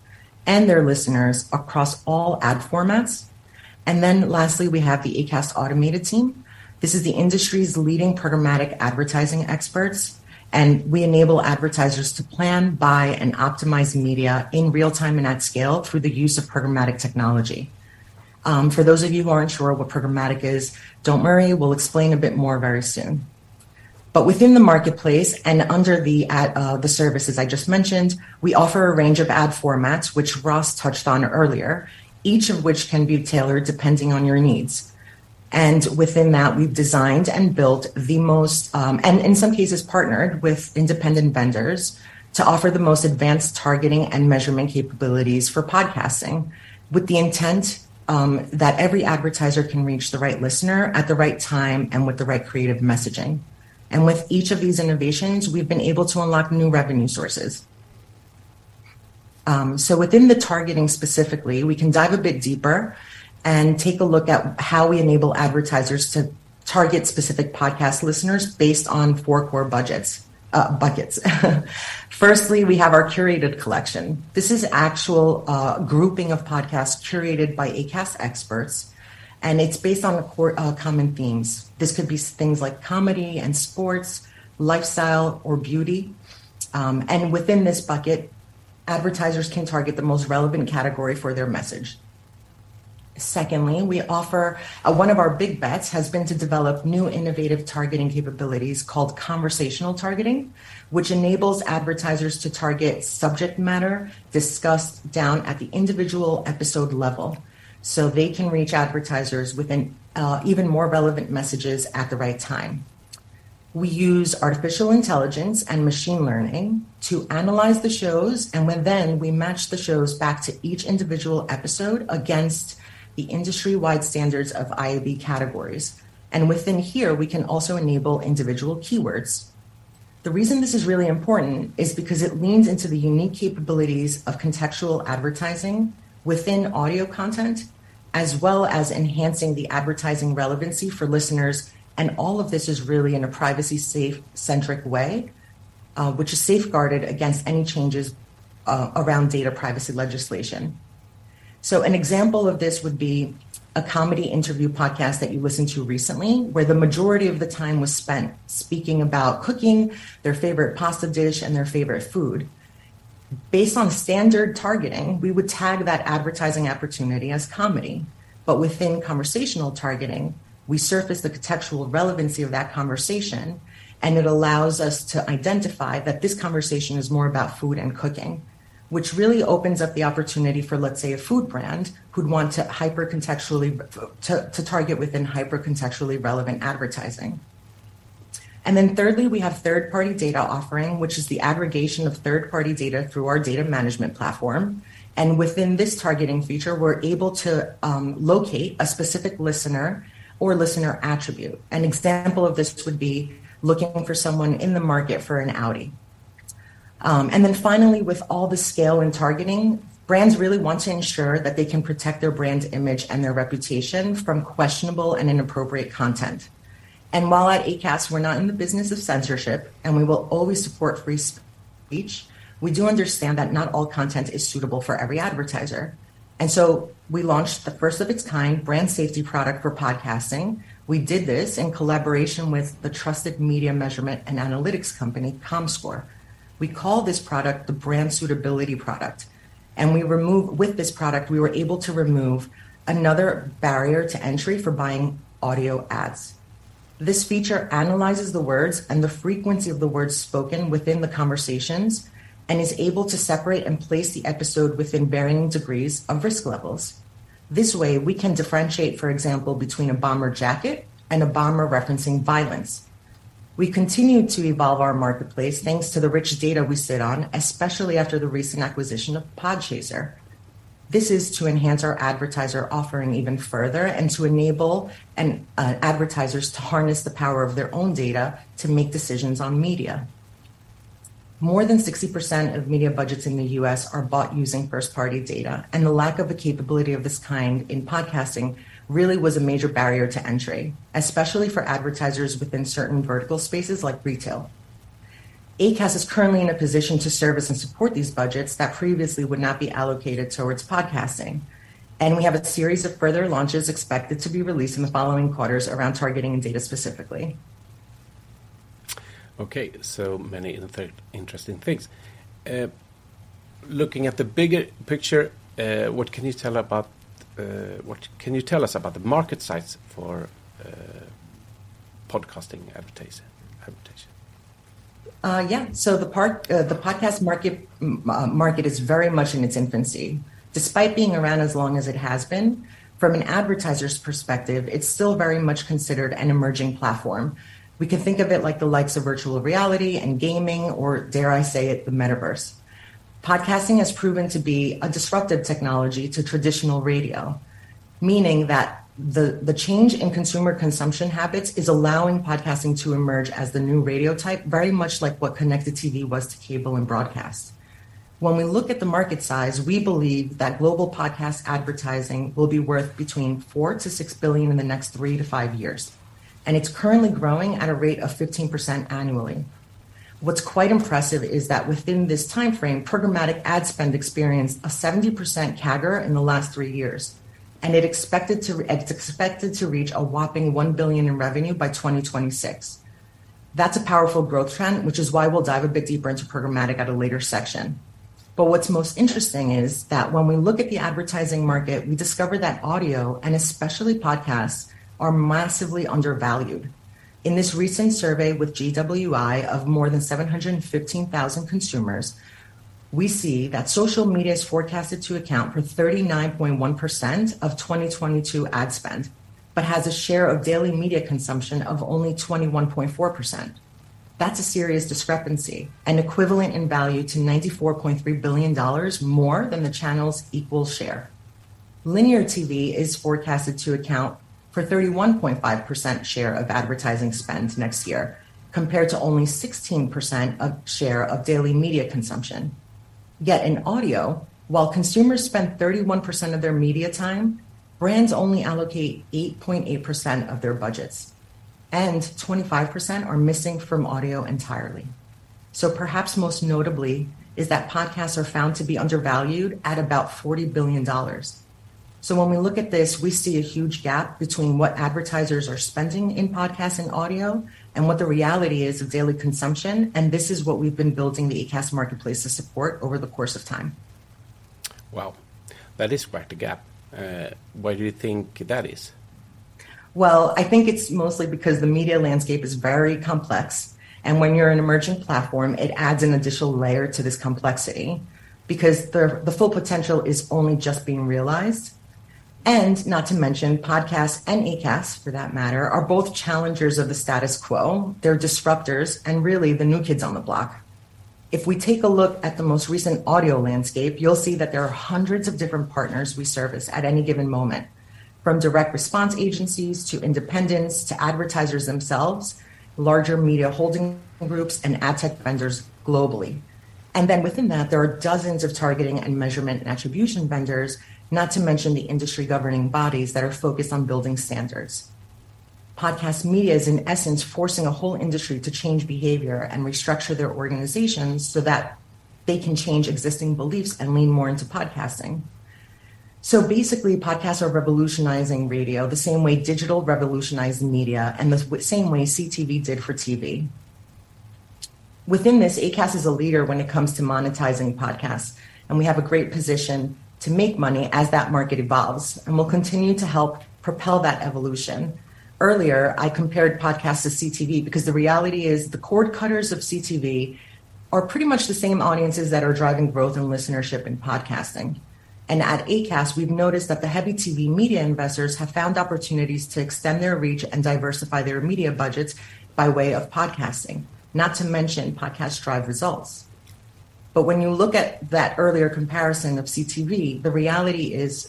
and their listeners across all ad formats. We have the Acast Automated team. This is the industry's leading programmatic advertising experts, and we enable advertisers to plan, buy, and optimize media in real time and at scale through the use of programmatic technology. For those of you who aren't sure what programmatic is, don't worry, we'll explain a bit more very soon. Within the marketplace and under the ad, the services I just mentioned, we offer a range of ad formats, which Ross touched on earlier, each of which can be tailored depending on your needs. Within that, we've designed and built the most, and in some cases, partnered with independent vendors to offer the most advanced targeting and measurement capabilities for podcasting with the intent that every advertiser can reach the right listener at the right time and with the right creative messaging. With each of these innovations, we've been able to unlock new revenue sources. Within the targeting specifically, we can dive a bit deeper and take a look at how we enable advertisers to target specific podcast listeners based on four core buckets. Firstly, we have our curated collection. This is a grouping of podcasts curated by Acast experts, and it's based on core common themes. This could be things like comedy and sports, lifestyle or beauty. Within this bucket, advertisers can target the most relevant category for their message. One of our big bets has been to develop new innovative targeting capabilities called conversational targeting, which enables advertisers to target subject matter discussed down at the individual episode level, so they can reach audiences with even more relevant messages at the right time. We use artificial intelligence and machine learning to analyze the shows, and then we match the shows back to each individual episode against the industry-wide standards of IAB categories. Within here, we can also enable individual keywords. The reason this is really important is because it leans into the unique capabilities of contextual advertising within audio content, as well as enhancing the advertising relevancy for listeners. All of this is really in a privacy-centric way, which is safeguarded against any changes around data privacy legislation. An example of this would be a comedy interview podcast that you listened to recently, where the majority of the time was spent speaking about cooking, their favorite pasta dish, and their favorite food. Based on standard targeting, we would tag that advertising opportunity as comedy. Within conversational targeting, we surface the contextual relevancy of that conversation, and it allows us to identify that this conversation is more about food and cooking, which really opens up the opportunity for, let's say, a food brand who'd want to hyper-contextually target within hyper-contextually relevant advertising. Then thirdly, we have third-party data offering, which is the aggregation of third-party data through our data management platform. Within this targeting feature, we're able to locate a specific listener or listener attribute. An example of this would be looking for someone in the market for an Audi. Finally, with all the scale and targeting, brands really want to ensure that they can protect their brand image and their reputation from questionable and inappropriate content. While at Acast, we're not in the business of censorship, and we will always support free speech, we do understand that not all content is suitable for every advertiser. We launched the first-of-its-kind brand safety product for podcasting. We did this in collaboration with the trusted media measurement and analytics company, Comscore. We call this product the brand suitability product. With this product, we were able to remove another barrier to entry for buying audio ads. This feature analyzes the words and the frequency of the words spoken within the conversations and is able to separate and place the episode within varying degrees of risk levels. This way, we can differentiate, for example, between a bomber jacket and a bomber referencing violence. We continue to evolve our marketplace, thanks to the rich data we sit on, especially after the recent acquisition of Podchaser. This is to enhance our advertiser offering even further and to enable advertisers to harness the power of their own data to make decisions on media. More than 60% of media budgets in the U.S. are bought using first-party data, and the lack of a capability of this kind in podcasting really was a major barrier to entry, especially for advertisers within certain vertical spaces like retail. Acast is currently in a position to service and support these budgets that previously would not be allocated towards podcasting. We have a series of further launches expected to be released in the following quarters around targeting and data specifically. Many interesting things. Looking at the bigger picture, what can you tell us about the market size for podcast advertising? The podcast market is very much in its infancy. Despite being around as long as it has been, from an advertiser's perspective, it's still very much considered an emerging platform. We can think of it like the likes of virtual reality and gaming, or dare I say it, the metaverse. Podcasting has proven to be a disruptive technology to traditional radio, meaning that the change in consumer consumption habits is allowing podcasting to emerge as the new radio type, very much like what connected TV was to cable and broadcast. When we look at the market size, we believe that global podcast advertising will be worth between $4 billion-$6 billion in the next 3-5 years, and it's currently growing at a rate of 15% annually. What's quite impressive is that within this timeframe, programmatic ad spend experienced a 70% CAGR in the last three years, and it's expected to reach a whopping $1 billion in revenue by 2026. That's a powerful growth trend, which is why we'll dive a bit deeper into programmatic at a later section. What's most interesting is that when we look at the advertising market, we discover that audio, and especially podcasts, are massively undervalued. In this recent survey with GWI of more than 715,000 consumers, we see that social media is forecasted to account for 39.1% of 2022 ad spend, but has a share of daily media consumption of only 21.4%. That's a serious discrepancy and equivalent in value to $94.3 billion more than the channel's equal share. Linear TV is forecasted to account for 31.5% share of advertising spend next year, compared to only 16% of share of daily media consumption. Yet in audio, while consumers spend 31% of their media time, brands only allocate 8.8% of their budgets, and 25% are missing from audio entirely. Perhaps most notably is that podcasts are found to be undervalued at about $40 billion. When we look at this, we see a huge gap between what advertisers are spending in podcast and audio and what the reality is of daily consumption, and this is what we've been building the Acast marketplace to support over the course of time. Wow. That is quite a gap. Why do you think that is? Well, I think it's mostly because the media landscape is very complex, and when you're an emerging platform, it adds an additional layer to this complexity because the full potential is only just being realized, and not to mention, podcasts and Acast, for that matter, are both challengers of the status quo. They're disruptors and really the new kids on the block. If we take a look at the most recent audio landscape, you'll see that there are hundreds of different partners we service at any given moment, from direct response agencies to independents, to advertisers themselves, larger media holding groups and ad tech vendors globally. Within that, there are dozens of targeting and measurement and attribution vendors, not to mention the industry governing bodies that are focused on building standards. Podcast media is, in essence, forcing a whole industry to change behavior and restructure their organizations so that they can change existing beliefs and lean more into podcasting. Basically, podcasts are revolutionizing radio the same way digital revolutionized media and the same way CTV did for TV. Within this, Acast is a leader when it comes to monetizing podcasts, and we have a great position to make money as that market evolves, and we'll continue to help propel that evolution. Earlier, I compared podcasts to CTV because the reality is the cord cutters of CTV are pretty much the same audiences that are driving growth and listenership in podcasting. At Acast, we've noticed that the heavy TV media investors have found opportunities to extend their reach and diversify their media budgets by way of podcasting, not to mention podcast drive results. When you look at that earlier comparison of CTV, the reality is.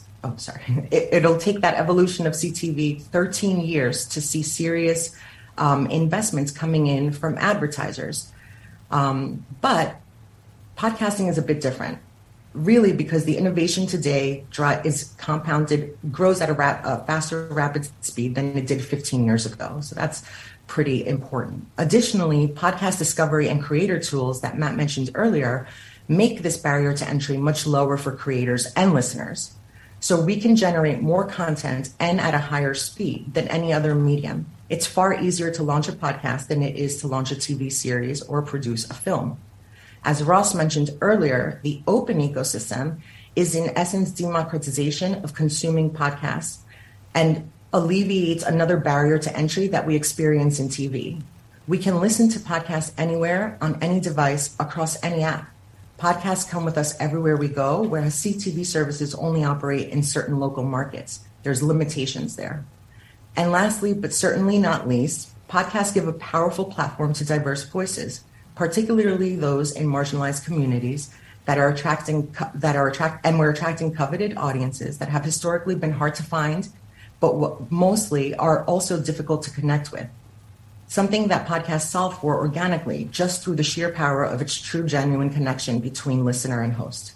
It'll take that evolution of CTV 13 years to see serious investments coming in from advertisers. Podcasting is a bit different, really because the innovation today grows at a faster, rapid speed than it did 15 years ago, so that's pretty important. Additionally, podcast discovery and creator tools that Matt mentioned earlier make this barrier to entry much lower for creators and listeners. We can generate more content and at a higher speed than any other medium. It's far easier to launch a podcast than it is to launch a TV series or produce a film. As Ross mentioned earlier, the open ecosystem is in essence democratization of consuming podcasts and alleviates another barrier to entry that we experience in TV. We can listen to podcasts anywhere on any device across any app. Podcasts come with us everywhere we go, whereas CTV services only operate in certain local markets. There's limitations there. Lastly, but certainly not least, podcasts give a powerful platform to diverse voices, particularly those in marginalized communities that are attracting and we're attracting coveted audiences that have historically been hard to find, but mostly are also difficult to connect with. Something that podcasts solve for organically, just through the sheer power of its true, genuine connection between listener and host.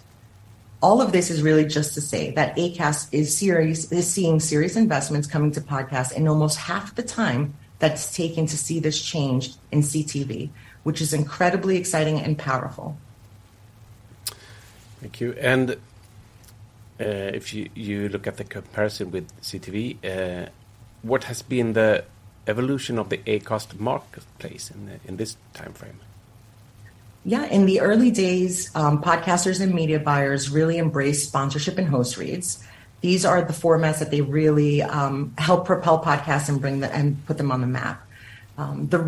All of this is really just to say that Acast is seeing serious investments coming to podcasts in almost half the time that's taken to see this change in CTV, which is incredibly exciting and powerful. Thank you. If you look at the comparison with CTV, what has been the evolution of the Acast marketplace in this timeframe? Yeah. In the early days, podcasters and media buyers really embraced sponsorship and host reads. These are the formats that they really help propel podcasts and put them on the map. The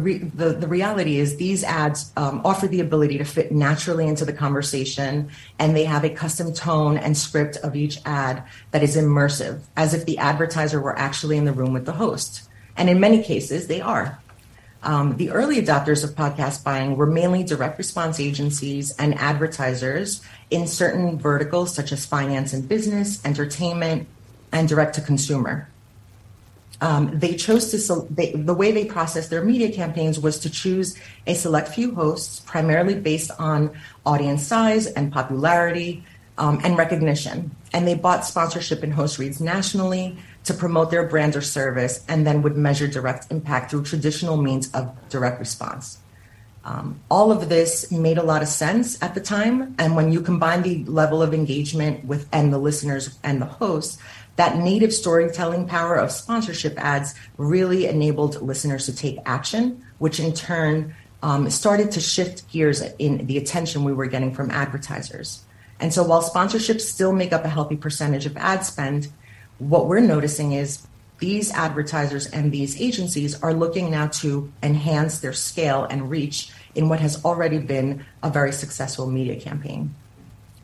reality is these ads offer the ability to fit naturally into the conversation, and they have a custom tone and script of each ad that is immersive as if the advertiser were actually in the room with the host. In many cases, they are. The early adopters of podcast buying were mainly direct response agencies and advertisers in certain verticals such as finance and business, entertainment, and direct to consumer. The way they processed their media campaigns was to choose a select few hosts, primarily based on audience size and popularity, and recognition. They bought sponsorship and host reads nationally to promote their brand or service, and then would measure direct impact through traditional means of direct response. All of this made a lot of sense at the time, and when you combine the level of engagement with the listeners and the hosts, that native storytelling power of sponsorship ads really enabled listeners to take action, which in turn started to shift gears in the attention we were getting from advertisers. While sponsorships still make up a healthy percentage of ad spend, what we're noticing is these advertisers and these agencies are looking now to enhance their scale and reach in what has already been a very successful media campaign.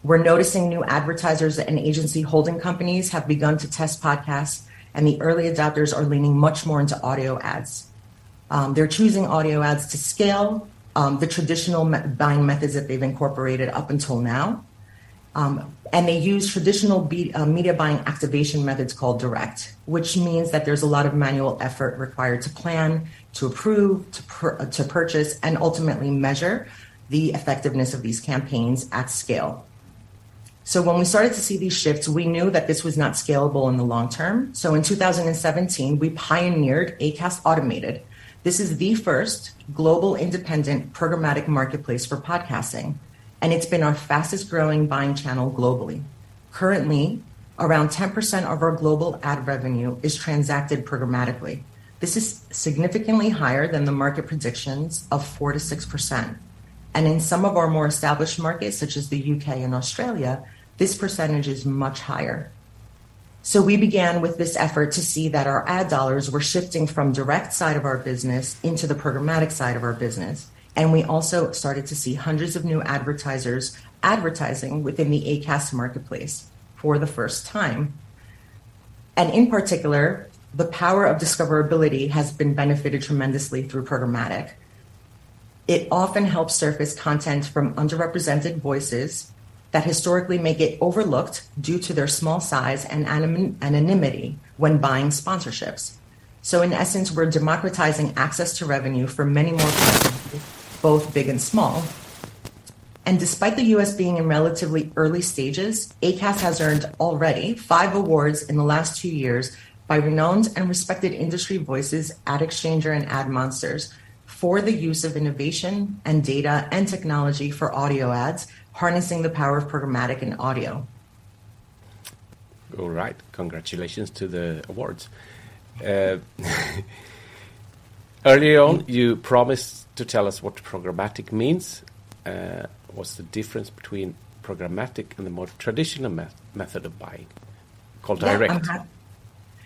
We're noticing new advertisers and agency holding companies have begun to test podcasts, and the early adopters are leaning much more into audio ads. They're choosing audio ads to scale the traditional media buying methods that they've incorporated up until now. They use traditional media buying activation methods called direct, which means that there's a lot of manual effort required to plan, to approve, to purchase, and ultimately measure the effectiveness of these campaigns at scale. When we started to see these shifts, we knew that this was not scalable in the long term. In 2017, we pioneered Acast Automated. This is the first global independent programmatic marketplace for podcasting. It's been our fastest-growing buying channel globally. Currently, around 10% of our global ad revenue is transacted programmatically. This is significantly higher than the market predictions of 4%-6%. In some of our more established markets, such as the UK and Australia, this percentage is much higher. We began with this effort to see that our ad dollars were shifting from direct side of our business into the programmatic side of our business. We also started to see hundreds of new advertisers advertising within the Acast marketplace for the first time. In particular, the power of discoverability has been benefited tremendously through programmatic. It often helps surface content from underrepresented voices that historically may get overlooked due to their small size and anonymity when buying sponsorships. In essence, we're democratizing access to revenue for many more customers, both big and small. Despite the U.S. being in relatively early stages, Acast has earned already five awards in the last two years by renowned and respected industry voices, AdExchanger and AdMonsters, for the use of innovation and data and technology for audio ads, harnessing the power of programmatic and audio. All right. Congratulations to the awards. Early on, you promised to tell us what programmatic means. What's the difference between programmatic and the more traditional method of buying called direct? Yeah.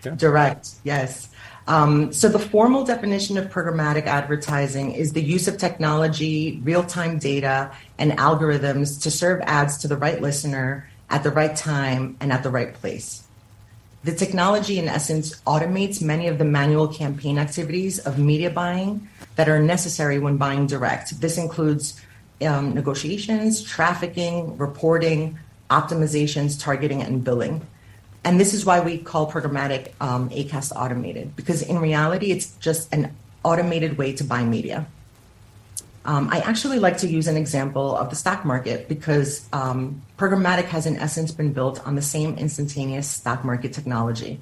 Yeah. Direct. Yes. The formal definition of programmatic advertising is the use of technology, real-time data, and algorithms to serve ads to the right listener at the right time and at the right place. The technology, in essence, automates many of the manual campaign activities of media buying that are necessary when buying direct. This includes negotiations, trafficking, reporting, optimizations, targeting, and billing. This is why we call programmatic Acast Automated because in reality, it's just an automated way to buy media. I actually like to use an example of the stock market because programmatic has in essence been built on the same instantaneous stock market technology.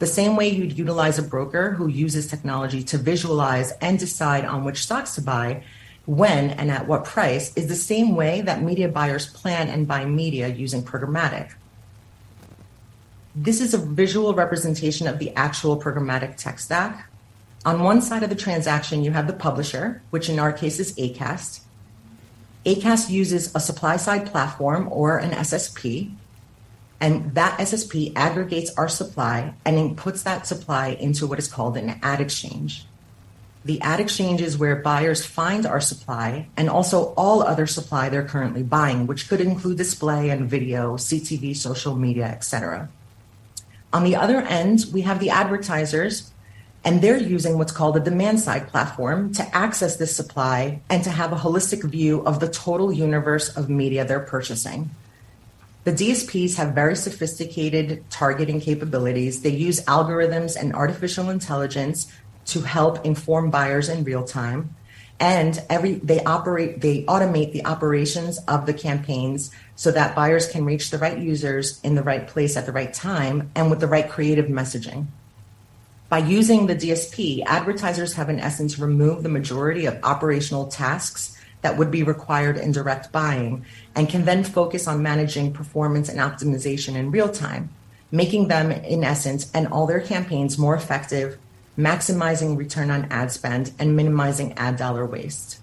The same way you'd utilize a broker who uses technology to visualize and decide on which stocks to buy, when, and at what price, is the same way that media buyers plan and buy media using programmatic. This is a visual representation of the actual programmatic tech stack. On one side of the transaction, you have the publisher, which in our case is Acast. Acast uses a supply-side platform or an SSP, and that SSP aggregates our supply and then puts that supply into what is called an ad exchange. The ad exchange is where buyers find our supply and also all other supply they're currently buying, which could include display and video, CTV, social media, et cetera. On the other end, we have the advertisers, and they're using what's called a demand-side platform to access this supply and to have a holistic view of the total universe of media they're purchasing. The DSPs have very sophisticated targeting capabilities. They use algorithms and artificial intelligence to help inform buyers in real-time, they automate the operations of the campaigns so that buyers can reach the right users in the right place at the right time and with the right creative messaging. By using the DSP, advertisers have in essence removed the majority of operational tasks that would be required in direct buying and can then focus on managing performance and optimization in real time, making them, in essence, and all their campaigns more effective, maximizing return on ad spend, and minimizing ad dollar waste.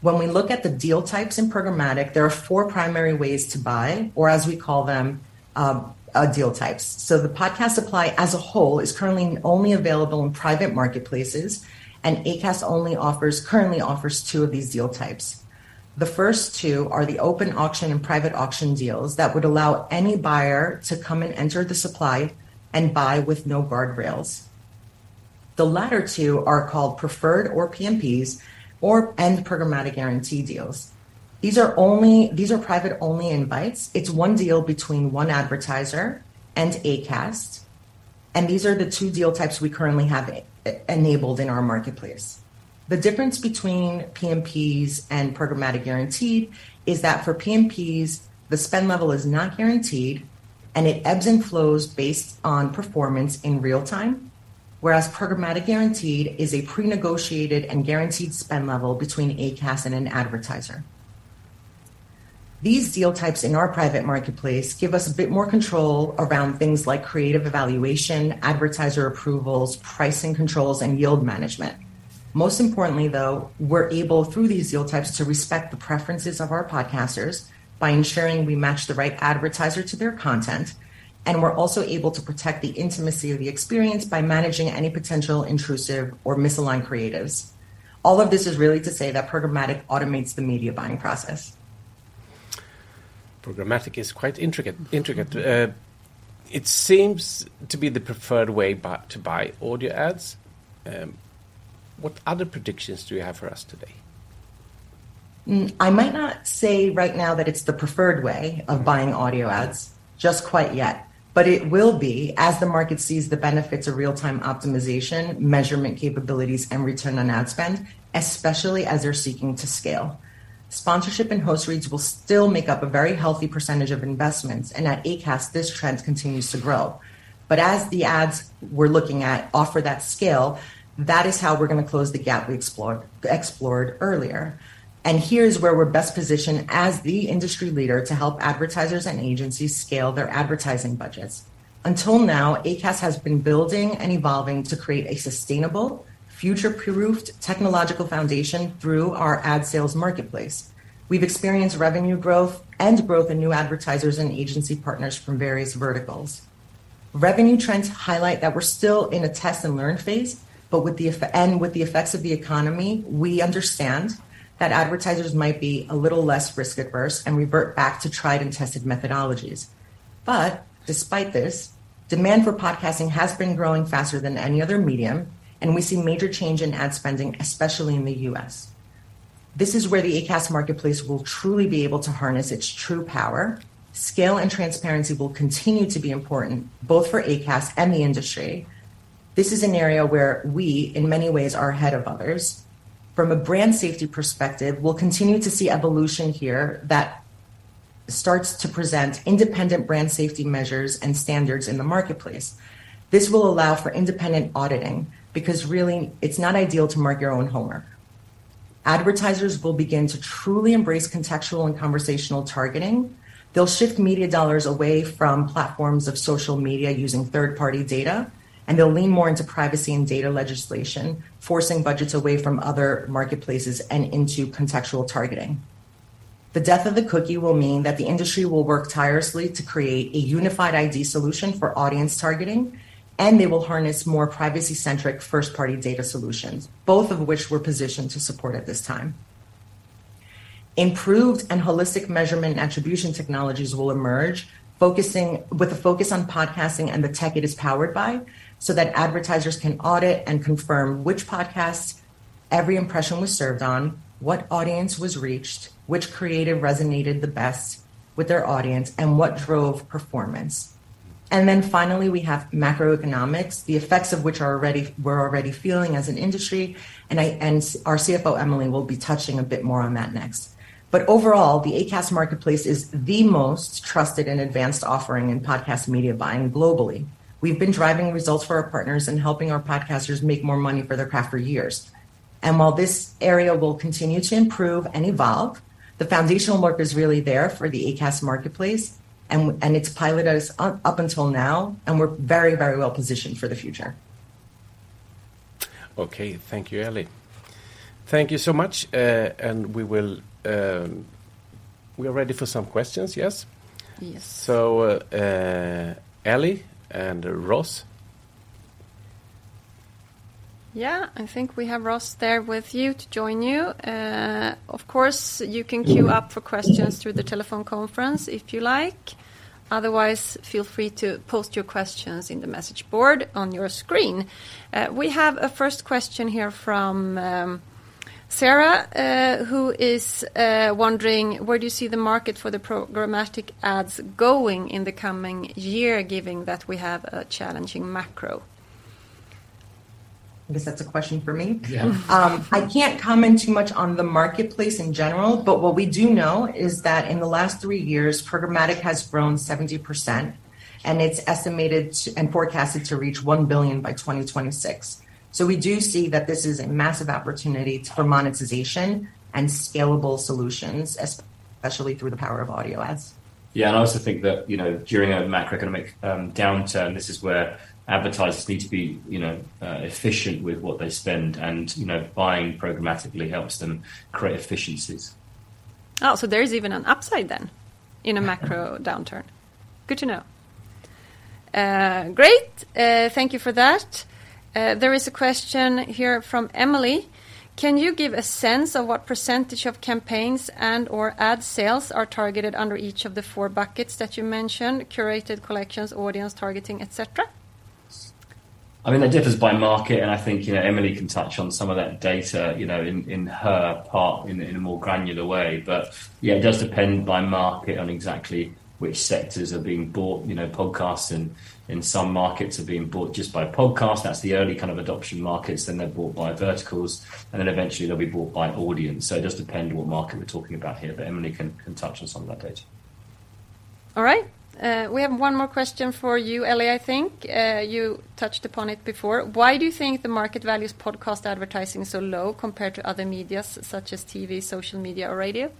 When we look at the deal types in programmatic, there are four primary ways to buy, or as we call them, deal types. The podcast supply as a whole is currently only available in private marketplaces, and Acast currently offers two of these deal types. The first two are the open auction and private auction deals that would allow any buyer to come and enter the supply and buy with no guardrails. The latter two are called preferred or PMPs and programmatic guaranteed deals. These are private-only invites. It's one deal between one advertiser and Acast, and these are the two deal types we currently have enabled in our marketplace. The difference between PMPs and programmatic guaranteed is that for PMPs, the spend level is not guaranteed, and it ebbs and flows based on performance in real time, whereas programmatic guaranteed is a prenegotiated and guaranteed spend level between Acast and an advertiser. These deal types in our private marketplace give us a bit more control around things like creative evaluation, advertiser approvals, pricing controls, and yield management. Most importantly, though, we're able, through these deal types, to respect the preferences of our podcasters by ensuring we match the right advertiser to their content, and we're also able to protect the intimacy of the experience by managing any potential intrusive or misaligned creatives. All of this is really to say that programmatic automates the media buying process. Programmatic is quite intricate. It seems to be the preferred way to buy audio ads. What other predictions do you have for us today? I might not say right now that it's the preferred way of buying audio ads just quite yet, but it will be as the market sees the benefits of real-time optimization, measurement capabilities, and return on ad spend, especially as they're seeking to scale. Sponsorship and host reads will still make up a very healthy percentage of investments, and at Acast, this trend continues to grow. As the ads we're looking at offer that scale, that is how we're gonna close the gap we explored earlier. Here's where we're best positioned as the industry leader to help advertisers and agencies scale their advertising budgets. Until now, Acast has been building and evolving to create a sustainable future-proofed technological foundation through our ad sales marketplace. We've experienced revenue growth and growth in new advertisers and agency partners from various verticals. Revenue trends highlight that we're still in a test and learn phase, but with the effects of the economy, we understand that advertisers might be a little less risk-averse and revert back to tried and tested methodologies. Despite this, demand for podcasting has been growing faster than any other medium, and we see major change in ad spending, especially in the U.S. This is where the Acast marketplace will truly be able to harness its true power. Scale and transparency will continue to be important, both for Acast and the industry. This is an area where we, in many ways, are ahead of others. From a brand safety perspective, we'll continue to see evolution here that starts to present independent brand safety measures and standards in the marketplace. This will allow for independent auditing because really it's not ideal to mark your own homework. Advertisers will begin to truly embrace contextual and conversational targeting. They'll shift media dollars away from platforms of social media using third-party data, and they'll lean more into privacy and data legislation, forcing budgets away from other marketplaces and into contextual targeting. The death of the cookie will mean that the industry will work tirelessly to create a unified ID solution for audience targeting, and they will harness more privacy-centric first-party data solutions, both of which we're positioned to support at this time. Improved and holistic measurement attribution technologies will emerge, with a focus on podcasting and the tech it is powered by, so that advertisers can audit and confirm which podcast every impression was served on, what audience was reached, which creative resonated the best with their audience, and what drove performance. Then finally, we have macroeconomics, the effects of which we're already feeling as an industry, and our CFO, Emily, will be touching a bit more on that next. Overall, the Acast marketplace is the most trusted and advanced offering in podcast media buying globally. We've been driving results for our partners and helping our podcasters make more money for their craft for years. While this area will continue to improve and evolve, the foundational work is really there for the Acast marketplace and its pilot is up until now, and we're very, very well positioned for the future. Okay. Thank you, Elli. Thank you so much. We are ready for some questions, yes? Yes. Elli and Ross. Yeah, I think we have Ross there with you to join you. Of course, you can queue up for questions through the telephone conference if you like. Otherwise, feel free to post your questions in the message board on your screen. We have a first question here from Sarah, who is wondering where do you see the market for the programmatic ads going in the coming year, given that we have a challenging macro? I guess that's a question for me. Yeah. I can't comment too much on the marketplace in general, but what we do know is that in the last 3 years, programmatic has grown 70%, and it's estimated and forecasted to reach $1 billion by 2026. We do see that this is a massive opportunity for monetization and scalable solutions, especially through the power of audio ads. Yeah. I also think that during a macroeconomic downturn, this is where advertisers need to be efficient with what they spend, and buying programmatically helps them create efficiencies. Oh, there is even an upside then in a macro downturn. Good to know. Great. Thank you for that. There is a question here from Emily. Can you give a sense of what percentage of campaigns and/or ad sales are targeted under each of the four buckets that you mentioned, curated collections, audience targeting, et cetera? I mean, that differs by market, and I think Emily can touch on some of that data in her part in a more granular way. Yeah, it does depend by market on exactly which sectors are being bought. You know, podcasts in some markets are being bought just by podcast. That's the early kind of adoption markets. Then they're bought by verticals, and then eventually they'll be bought by audience. It does depend what market we're talking about here, but Emily can touch on some of that data. All right. We have one more question for you, Elli, I think. You touched upon it before. Why do you think the market value of podcast advertising is so low compared to other media, such as TV, social media, or radio?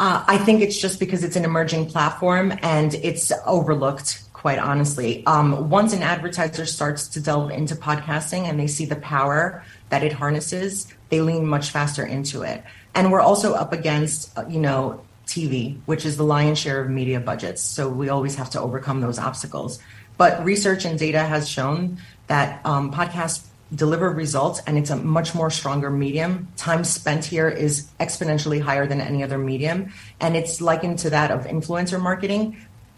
I think it's just because it's an emerging platform, and it's overlooked, quite honestly. Once an advertiser starts to delve into podcasting, and they see the power that it harnesses, they lean much faster into it. We're also up against TV, which is the lion's share of media budgets, so we always have to overcome those obstacles. Research and data has shown that, podcasts deliver results, and it's a much more stronger medium. Time spent here is exponentially higher than any other medium, and it's likened to that of influencer marketing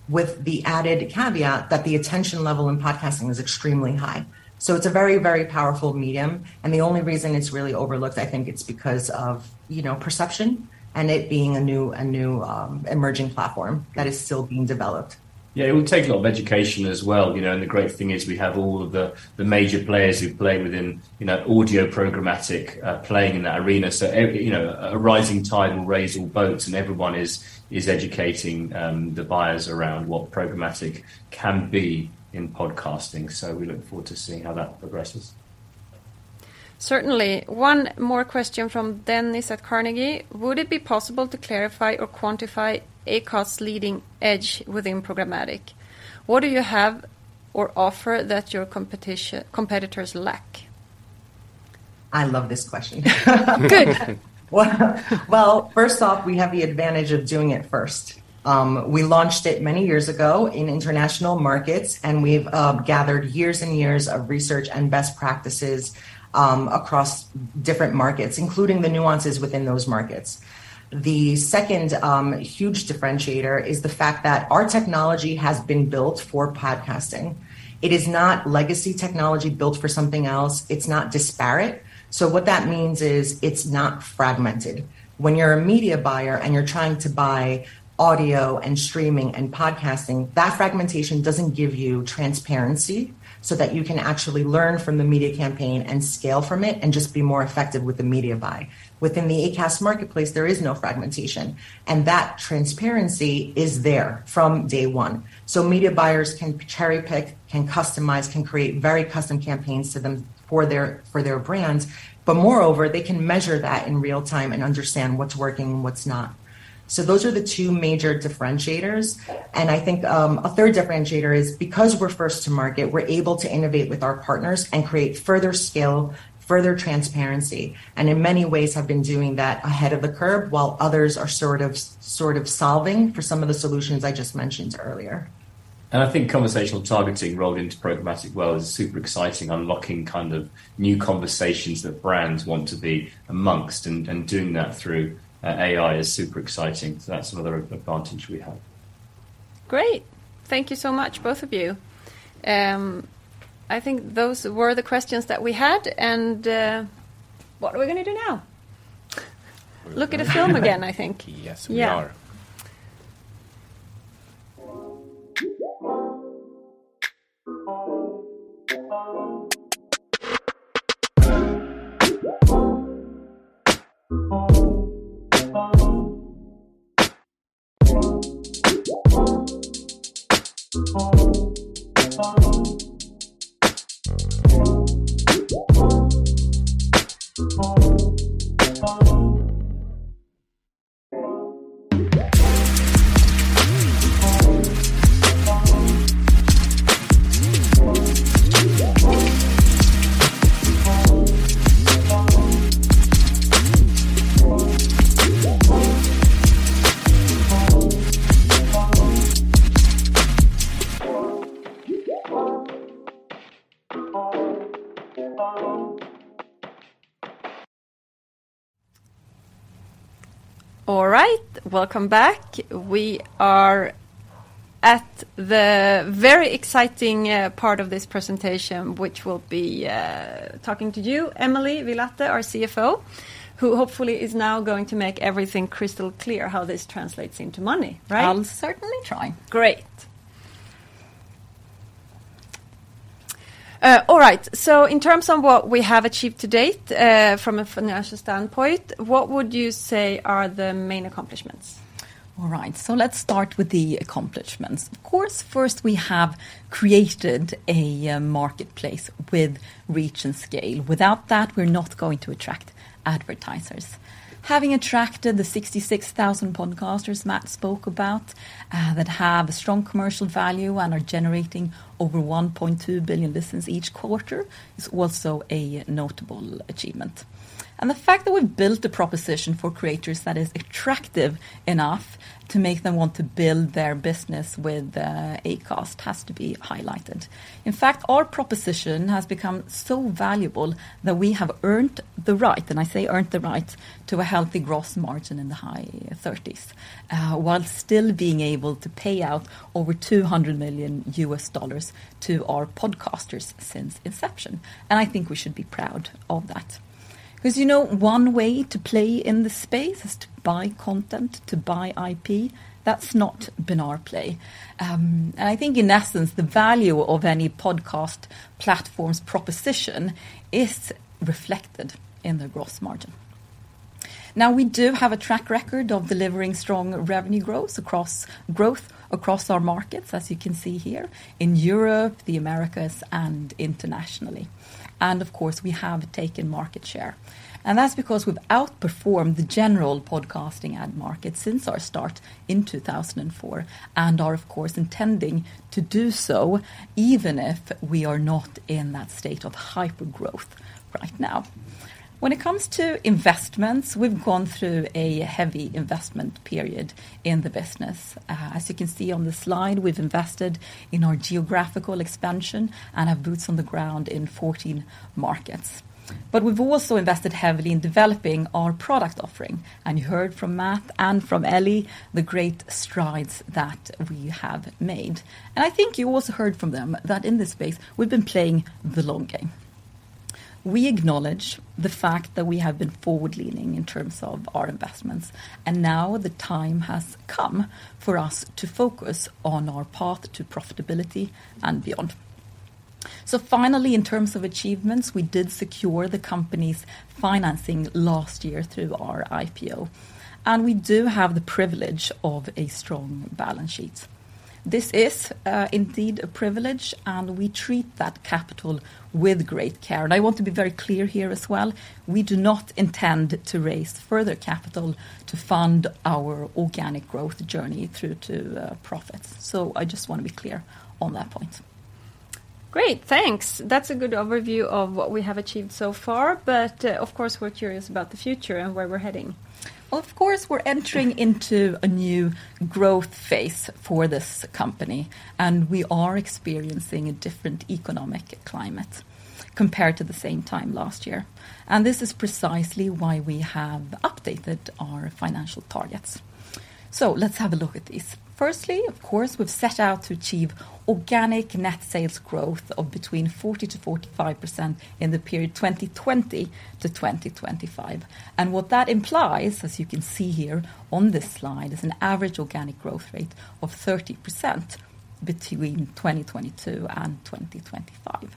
with the added caveat that the attention level in podcasting is extremely high. It's a very, very powerful medium, and the only reason it's really overlooked, I think it's because of perception and it being a new emerging platform that is still being developed. Yeah. It will take a lot of education as well and the great thing is we have all of the major players who play within audio programmatic, playing in that arena. You know, a rising tide will raise all boats, and everyone is educating the buyers around what programmatic can be in podcasting. We look forward to seeing how that progresses. Certainly. One more question from Dennis at Carnegie. Would it be possible to clarify or quantify Acast's leading edge within programmatic? What do you have or offer that your competitors lack? I love this question. Good. Well, first off, we have the advantage of doing it first. We launched it many years ago in international markets, and we've gathered years and years of research and best practices across different markets, including the nuances within those markets. The second huge differentiator is the fact that our technology has been built for podcasting. It is not legacy technology built for something else. It's not disparate. What that means is it's not fragmented. When you're a media buyer and you're trying to buy audio and streaming and podcasting, that fragmentation doesn't give you transparency, so that you can actually learn from the media campaign and scale from it and just be more effective with the media buy. Within the Acast marketplace, there is no fragmentation, and that transparency is there from day one. Media buyers can cherry-pick, can customize, can create very custom campaigns to them for their brands. Moreover, they can measure that in real-time and understand what's working and what's not. Those are the two major differentiators. I think a third differentiator is because we're first to market, we're able to innovate with our partners and create further scale, further transparency, and in many ways have been doing that ahead of the curve while others are sort of solving for some of the solutions I just mentioned earlier. I think conversational targeting rolled into programmatic well is super exciting, unlocking kind of new conversations that brands want to be amongst, and doing that through AI is super exciting. That's another advantage we have. Great. Thank you so much, both of you. I think those were the questions that we had. What are we gonna do now? Look at a film again, I think. Yes, we are. Yeah. All right. Welcome back. We are at the very exciting part of this presentation, which will be talking to you, Emily Villatte, our CFO, who hopefully is now going to make everything crystal clear how this translates into money, right? I'll certainly try. Great. All right. In terms of what we have achieved to date, from a financial standpoint, what would you say are the main accomplishments? All right, let's start with the accomplishments. Of course, first, we have created a marketplace with reach and scale. Without that, we're not going to attract advertisers. Having attracted the 66,000 podcasters Matt spoke about that have a strong commercial value and are generating over 1.2 billion listens each quarter is also a notable achievement. The fact that we've built a proposition for creators that is attractive enough to make them want to build their business with Acast has to be highlighted. In fact, our proposition has become so valuable that we have earned the right, and I say earned the right, to a healthy gross margin in the high 30s% while still being able to pay out over $200 million to our podcasters since inception. I think we should be proud of that. because one way to play in this space is to buy content, to buy IP. That's not been our play. I think in essence, the value of any podcast platform's proposition is reflected in the gross margin. Now, we do have a track record of delivering strong revenue growth across our markets, as you can see here, in Europe, the Americas, and internationally. Of course, we have taken market share. That's because we've outperformed the general podcasting ad market since our start in 2004, and are of course, intending to do so even if we are not in that state of hyper-growth right now. When it comes to investments, we've gone through a heavy investment period in the business. As you can see on the slide, we've invested in our geographical expansion and have boots on the ground in 14 markets. We've also invested heavily in developing our product offering. You heard from Matt and from Ellie the great strides that we have made. I think you also heard from them that in this space, we've been playing the long game. We acknowledge the fact that we have been forward-leaning in terms of our investments, and now the time has come for us to focus on our path to profitability and beyond. Finally, in terms of achievements, we did secure the company's financing last year through our IPO, and we do have the privilege of a strong balance sheet. This is indeed a privilege, and we treat that capital with great care. I want to be very clear here as well, we do not intend to raise further capital to fund our organic growth journey through to, profits. I just wanna be clear on that point. Great. Thanks. That's a good overview of what we have achieved so far. Of course, we're curious about the future and where we're heading. Of course, we're entering into a new growth phase for this company, and we are experiencing a different economic climate compared to the same time last year. This is precisely why we have updated our financial targets. Let's have a look at these. Firstly, of course, we've set out to achieve organic net sales growth of between 40%-45% in the period 2020-2025. What that implies, as you can see here on this slide, is an average organic growth rate of 30% between 2022 and 2025.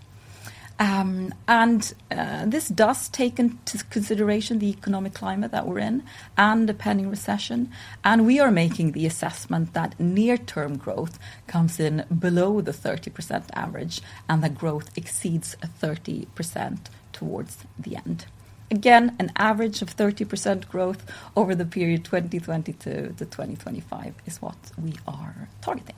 This does take into consideration the economic climate that we're in and the pending recession, and we are making the assessment that near-term growth comes in below the 30% average, and the growth exceeds 30% towards the end. Again, an average of 30% growth over the period 2020 to 2025 is what we are targeting.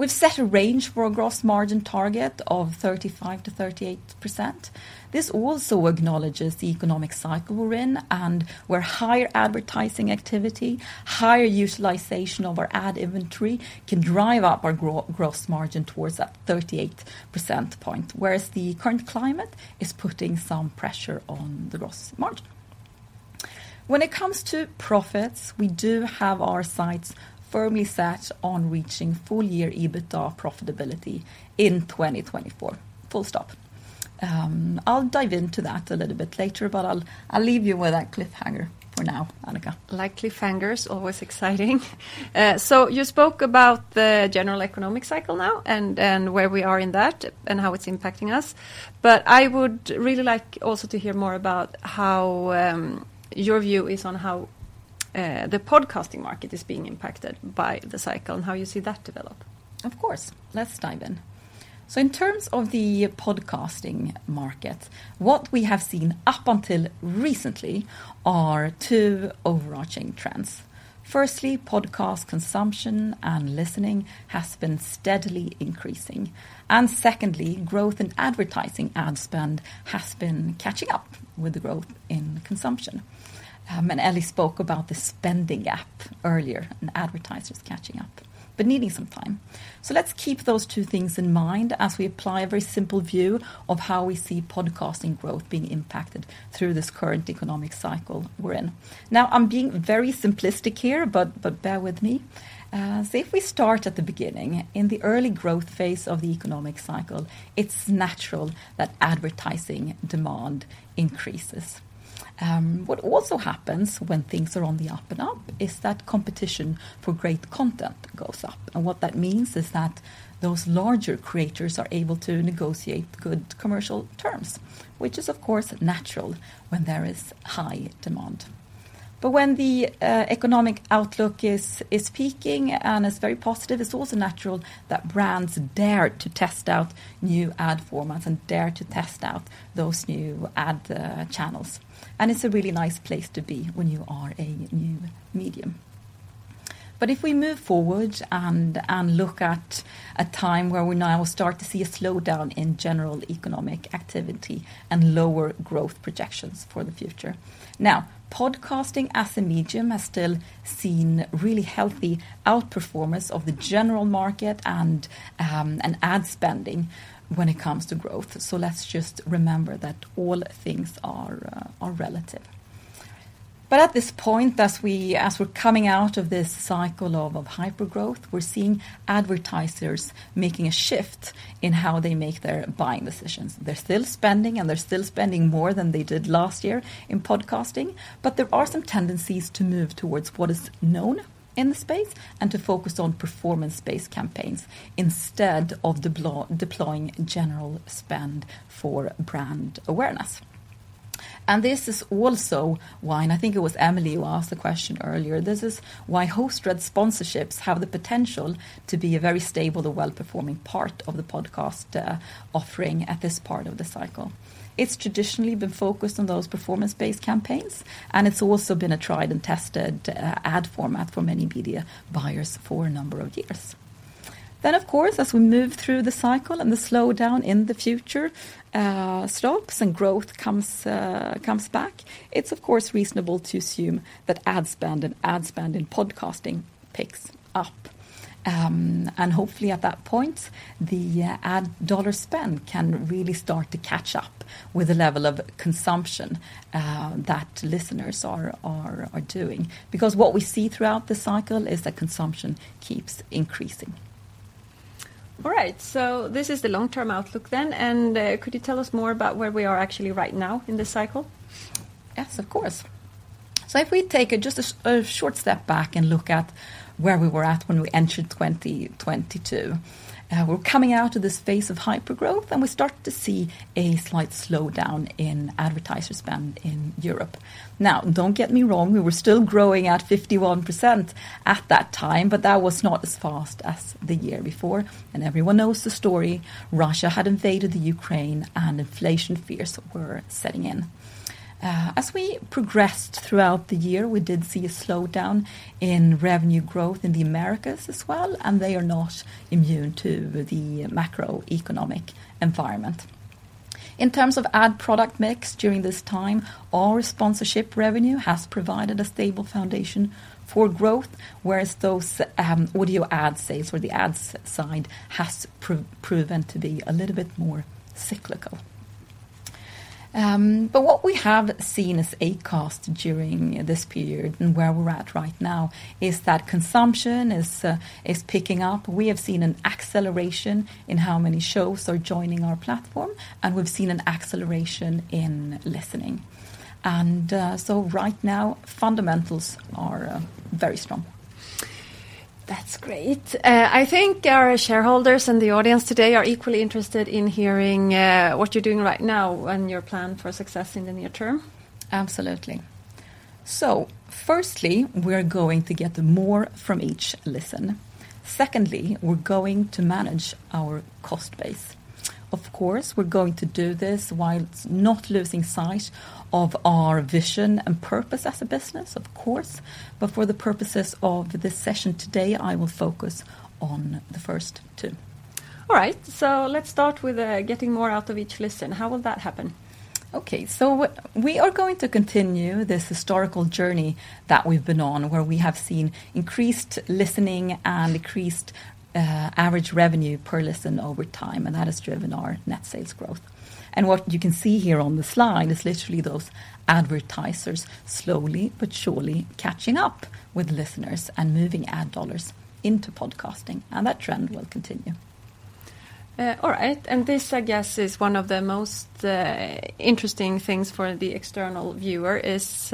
We've set a range for a gross margin target of 35%-38%. This also acknowledges the economic cycle we're in and where higher advertising activity, higher utilization of our ad inventory can drive up our gross margin towards that 38% point, whereas the current climate is putting some pressure on the gross margin. When it comes to profits, we do have our sights firmly set on reaching full-year EBITDA profitability in 2024, full stop. I'll dive into that a little bit later, but I'll leave you with that cliffhanger for now, Annika. Like cliffhangers, always exciting. So you spoke about the general economic cycle now and where we are in that and how it's impacting us. I would really like also to hear more about how your view is on how the podcasting market is being impacted by the cycle and how you see that develop. Of course. Let's dive in. In terms of the podcasting market, what we have seen up until recently are two overarching trends. Firstly, podcast consumption and listening has been steadily increasing. Secondly, growth in advertising ad spend has been catching up with the growth in consumption. Elli spoke about the spending gap earlier and advertisers catching up, but needing some time. Let's keep those two things in mind as we apply a very simple view of how we see podcasting growth being impacted through this current economic cycle we're in. Now, I'm being very simplistic here, but bear with me. Say if we start at the beginning, in the early growth phase of the economic cycle, it's natural that advertising demand increases. What also happens when things are on the up and up is that competition for great content goes up. What that means is that those larger creators are able to negotiate good commercial terms, which is of course natural when there is high demand. When the economic outlook is peaking and it's very positive, it's also natural that brands dare to test out new ad formats and dare to test out those new ad channels. It's a really nice place to be when you are a new medium. If we move forward and look at a time where we now start to see a slowdown in general economic activity and lower growth projections for the future. Now, podcasting as a medium has still seen really healthy outperformance of the general market and ad spending when it comes to growth. Let's just remember that all things are relative. At this point, as we're coming out of this cycle of hypergrowth, we're seeing advertisers making a shift in how they make their buying decisions. They're still spending, and they're still spending more than they did last year in podcasting, but there are some tendencies to move towards what is known in the space and to focus on performance-based campaigns instead of deploying general spend for brand awareness. This is also why, and I think it was Emily who asked the question earlier, this is why host-read sponsorships have the potential to be a very stable and well-performing part of the podcast offering at this part of the cycle. It's traditionally been focused on those performance-based campaigns, and it's also been a tried and tested ad format for many media buyers for a number of years. Of course, as we move through the cycle and the slowdown in the future, stocks and growth comes back, it's of course reasonable to assume that ad spend in podcasting picks up. Hopefully at that point, the ad dollar spend can really start to catch up with the level of consumption that listeners are doing. What we see throughout the cycle is that consumption keeps increasing. All right, this is the long-term outlook then. Could you tell us more about where we are actually right now in this cycle? Yes, of course. If we take just a short step back and look at where we were at when we entered 2022, we're coming out of this phase of hypergrowth, and we start to see a slight slowdown in advertiser spend in Europe. Now, don't get me wrong, we were still growing at 51% at that time, but that was not as fast as the year before. Everyone knows the story. Russia had invaded the Ukraine, and inflation fears were setting in. As we progressed throughout the year, we did see a slowdown in revenue growth in the Americas as well, and they are not immune to the macroeconomic environment. In terms of ad product mix during this time, our sponsorship revenue has provided a stable foundation for growth, whereas those audio ad sales or the ad side has proven to be a little bit more cyclical. What we have seen as Acast during this period and where we're at right now is that consumption is picking up. We have seen an acceleration in how many shows are joining our platform, and we've seen an acceleration in listening. Right now, fundamentals are very strong. That's great. I think our shareholders in the audience today are equally interested in hearing what you're doing right now and your plan for success in the near term. Absolutely. Firstly, we're going to get more from each listen. Secondly, we're going to manage our cost base. Of course, we're going to do this while not losing sight of our vision and purpose as a business, of course. For the purposes of this session today, I will focus on the first two. All right, let's start with getting more out of each listen. How will that happen? Okay. We are going to continue this historical journey that we've been on, where we have seen increased listening and increased average revenue per listen over time, and that has driven our net sales growth. What you can see here on the slide is literally those advertisers slowly but surely catching up with listeners and moving ad dollars into podcasting, and that trend will continue. This, I guess, is one of the most interesting things for the external viewer is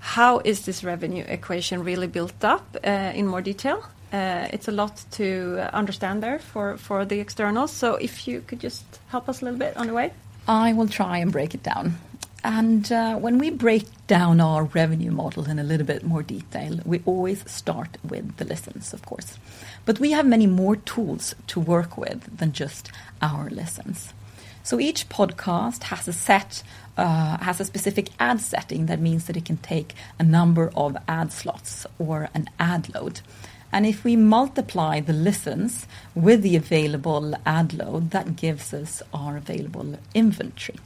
how is this revenue equation really built up in more detail. It's a lot to understand there for the externals. If you could just help us a little bit on the way. I will try and break it down. When we break down our revenue model in a little bit more detail, we always start with the listens, of course. We have many more tools to work with than just our listens. Each podcast has a specific ad setting that means that it can take a number of ad slots or an ad load. If we multiply the listens with the available ad load, that gives us our available inventory.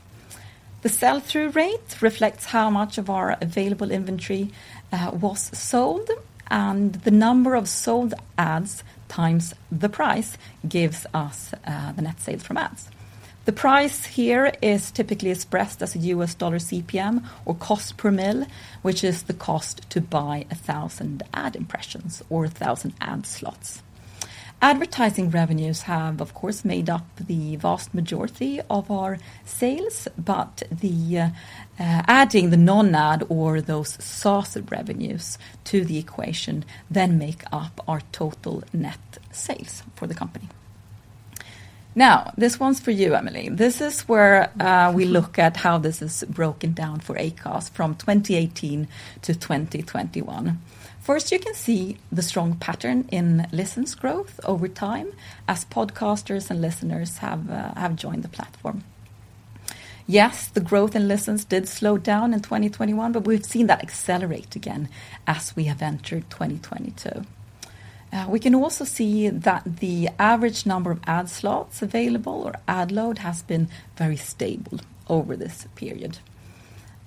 The sell-through rate reflects how much of our available inventory was sold, and the number of sold ads times the price gives us the net sales from ads. The price here is typically expressed as U.S. dollar CPM or cost per mille, which is the cost to buy 1,000 ad impressions or 1,000 ad slots. Advertising revenues have, of course, made up the vast majority of our sales, but the adding the non-ad or those SaaS revenues to the equation then make up our total net sales for the company. Now, this one's for you, Emily. This is where we look at how this is broken down for Acast from 2018 to 2021. First, you can see the strong pattern in listens growth over time as podcasters and listeners have joined the platform. Yes, the growth in listens did slow down in 2021, but we've seen that accelerate again as we have entered 2022. We can also see that the average number of ad slots available or ad load has been very stable over this period.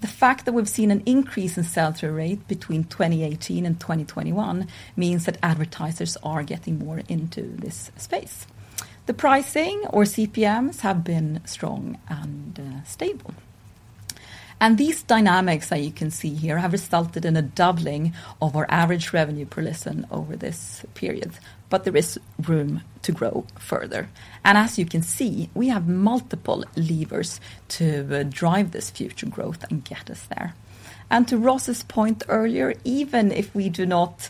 The fact that we've seen an increase in sell-through rate between 2018 and 2021 means that advertisers are getting more into this space. The pricing or CPMs have been strong and stable. These dynamics that you can see here have resulted in a doubling of our average revenue per listen over this period, but there is room to grow further. As you can see, we have multiple levers to drive this future growth and get us there. To Ross's point earlier, even if we do not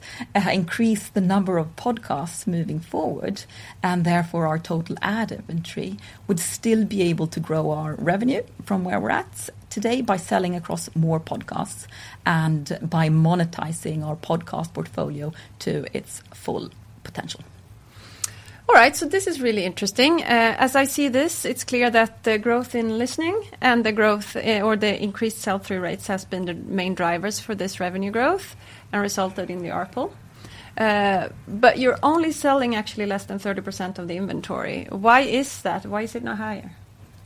increase the number of podcasts moving forward, and therefore our total ad inventory, we'd still be able to grow our revenue from where we're at today by selling across more podcasts and by monetizing our podcast portfolio to its full potential. All right, this is really interesting. As I see this, it's clear that the growth in listening or the increased sell-through rates has been the main drivers for this revenue growth and resulted in the ARPL. You're only selling actually less than 30% of the inventory. Why is that? Why is it not higher?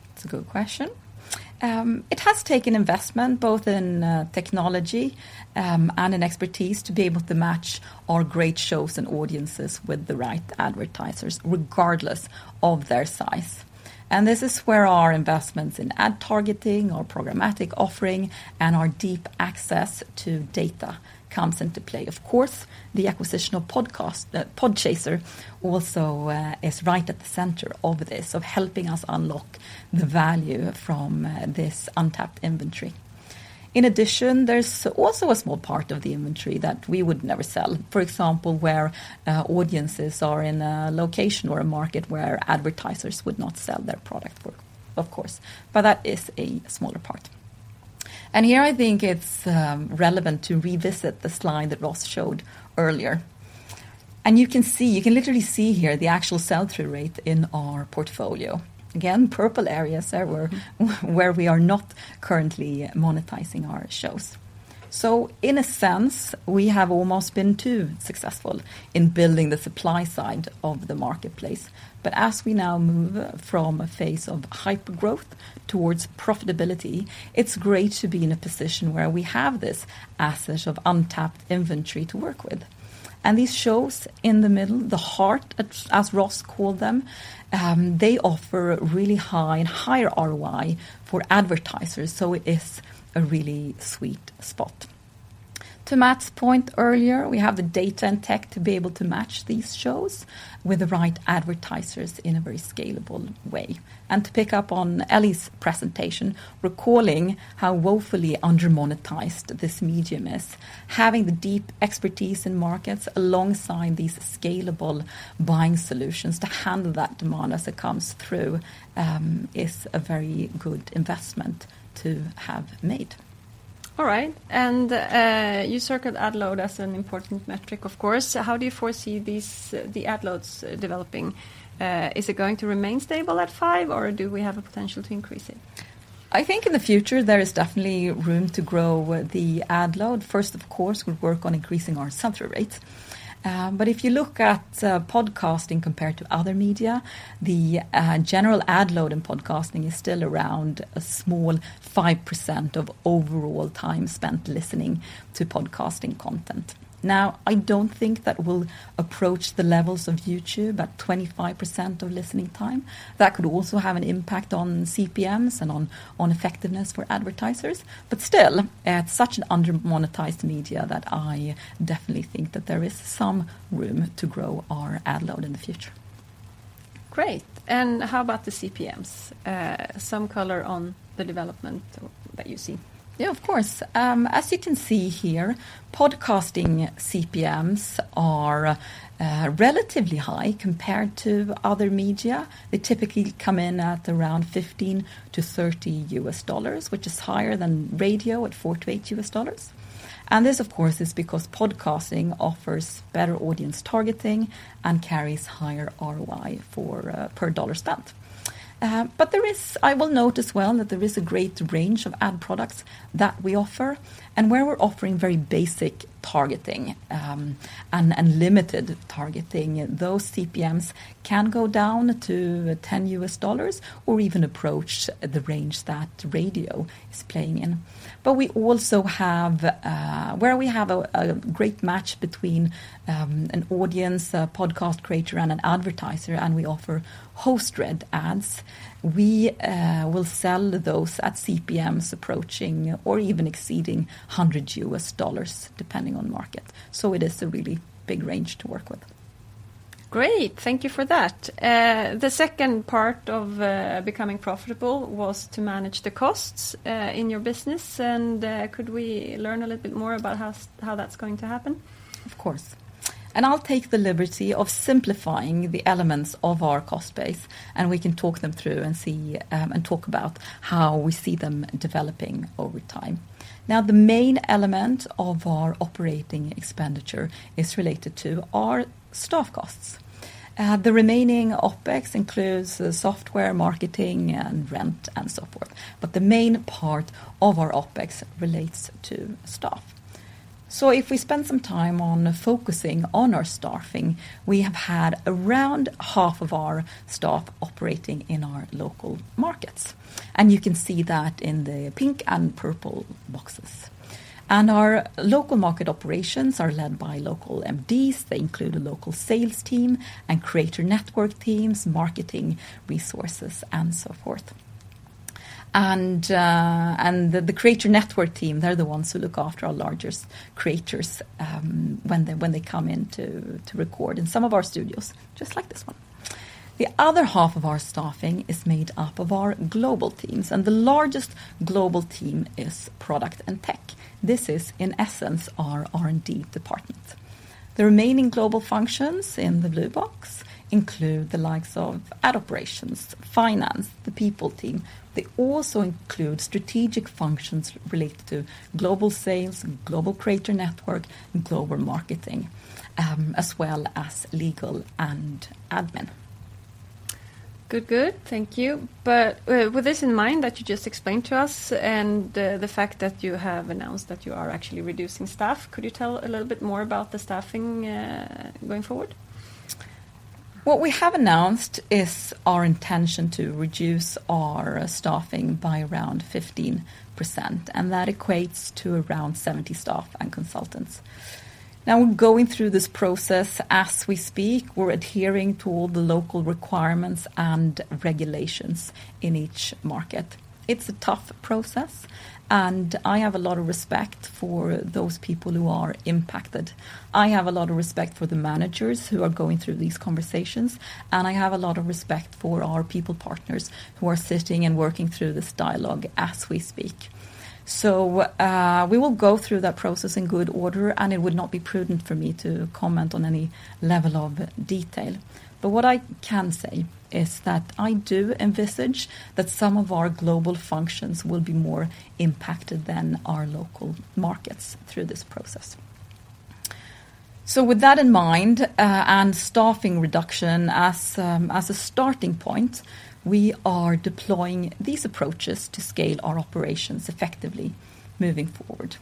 That's a good question. It has taken investment both in technology and in expertise to be able to match our great shows and audiences with the right advertisers, regardless of their size. This is where our investments in ad targeting, our programmatic offering, and our deep access to data comes into play. Of course, the acquisition of Podchaser also is right at the center of this, of helping us unlock the value from this untapped inventory. In addition, there's also a small part of the inventory that we would never sell, for example, where audiences are in a location or a market where advertisers would not sell their product there, of course. But that is a smaller part. Here, I think it's relevant to revisit the slide that Ross showed earlier. You can literally see here the actual sell-through rate in our portfolio. Again, purple areas are where we are not currently monetizing our shows. In a sense, we have almost been too successful in building the supply side of the marketplace. As we now move from a phase of hyper-growth towards profitability, it's great to be in a position where we have this asset of untapped inventory to work with. These shows in the middle, the heart, as Ross called them, they offer really high and higher ROI for advertisers, so it is a really sweet spot. To Matt's point earlier, we have the data and tech to be able to match these shows with the right advertisers in a very scalable way. To pick up on Elli's presentation, recalling how woefully under-monetized this medium is, having the deep expertise in markets alongside these scalable buying solutions to handle that demand as it comes through, is a very good investment to have made. All right. You circled ad load as an important metric, of course. How do you foresee the ad loads developing? Is it going to remain stable at five, or do we have a potential to increase it? I think in the future, there is definitely room to grow the ad load. First, of course, we work on increasing our sell-through rate. If you look at podcasting compared to other media, the general ad load in podcasting is still around a small 5% of overall time spent listening to podcasting content. Now, I don't think that we'll approach the levels of YouTube, at 25% of listening time. That could also have an impact on CPMs and on effectiveness for advertisers. Still, it's such an under-monetized media that I definitely think that there is some room to grow our ad load in the future. Great. How about the CPMs? Some color on the development that you see. Yeah, of course. As you can see here, podcasting CPMs are relatively high compared to other media. They typically come in at around $15-$30, which is higher than radio at $4-$8. This, of course, is because podcasting offers better audience targeting and carries higher ROI for per dollar spent. I will note as well that there is a great range of ad products that we offer, and where we're offering very basic targeting and limited targeting, those CPMs can go down to $10 or even approach the range that radio is playing in. We also have where we have a great match between an audience, a podcast creator, and an advertiser, and we offer host-read ads, we will sell those at CPMs approaching or even exceeding $100, depending on market. It is a really big range to work with. Great. Thank you for that. The second part of becoming profitable was to manage the costs in your business. Could we learn a little bit more about how that's going to happen? Of course. I'll take the liberty of simplifying the elements of our cost base, and we can talk them through and see, and talk about how we see them developing over time. Now, the main element of our operating expenditure is related to our staff costs. The remaining OpEx includes the software, marketing, and rent, and so forth. The main part of our OpEx relates to staff. If we spend some time on focusing on our staffing, we have had around half of our staff operating in our local markets. You can see that in the pink and purple boxes. Our local market operations are led by local MDs. They include a local sales team and creator network teams, marketing resources, and so forth. The creator network team, they're the ones who look after our largest creators, when they come in to record in some of our studios, just like this one. The other half of our staffing is made up of our global teams, and the largest global team is product and tech. This is, in essence, our R&D department. The remaining global functions in the blue box include the likes of ad operations, finance, the people team. They also include strategic functions related to global sales and global creator network and global marketing, as well as legal and admin. Good, good. Thank you. With this in mind that you just explained to us and the fact that you have announced that you are actually reducing staff, could you tell a little bit more about the staffing, going forward? What we have announced is our intention to reduce our staffing by around 15%, and that equates to around 70 staff and consultants. Now we're going through this process as we speak. We're adhering to all the local requirements and regulations in each market. It's a tough process, and I have a lot of respect for those people who are impacted. I have a lot of respect for the managers who are going through these conversations, and I have a lot of respect for our people partners who are sitting and working through this dialogue as we speak. We will go through that process in good order, and it would not be prudent for me to comment on any level of detail. What I can say is that I do envisage that some of our global functions will be more impacted than our local markets through this process. With that in mind, and staffing reduction as a starting point, we are deploying these approaches to scale our operations effectively moving forward.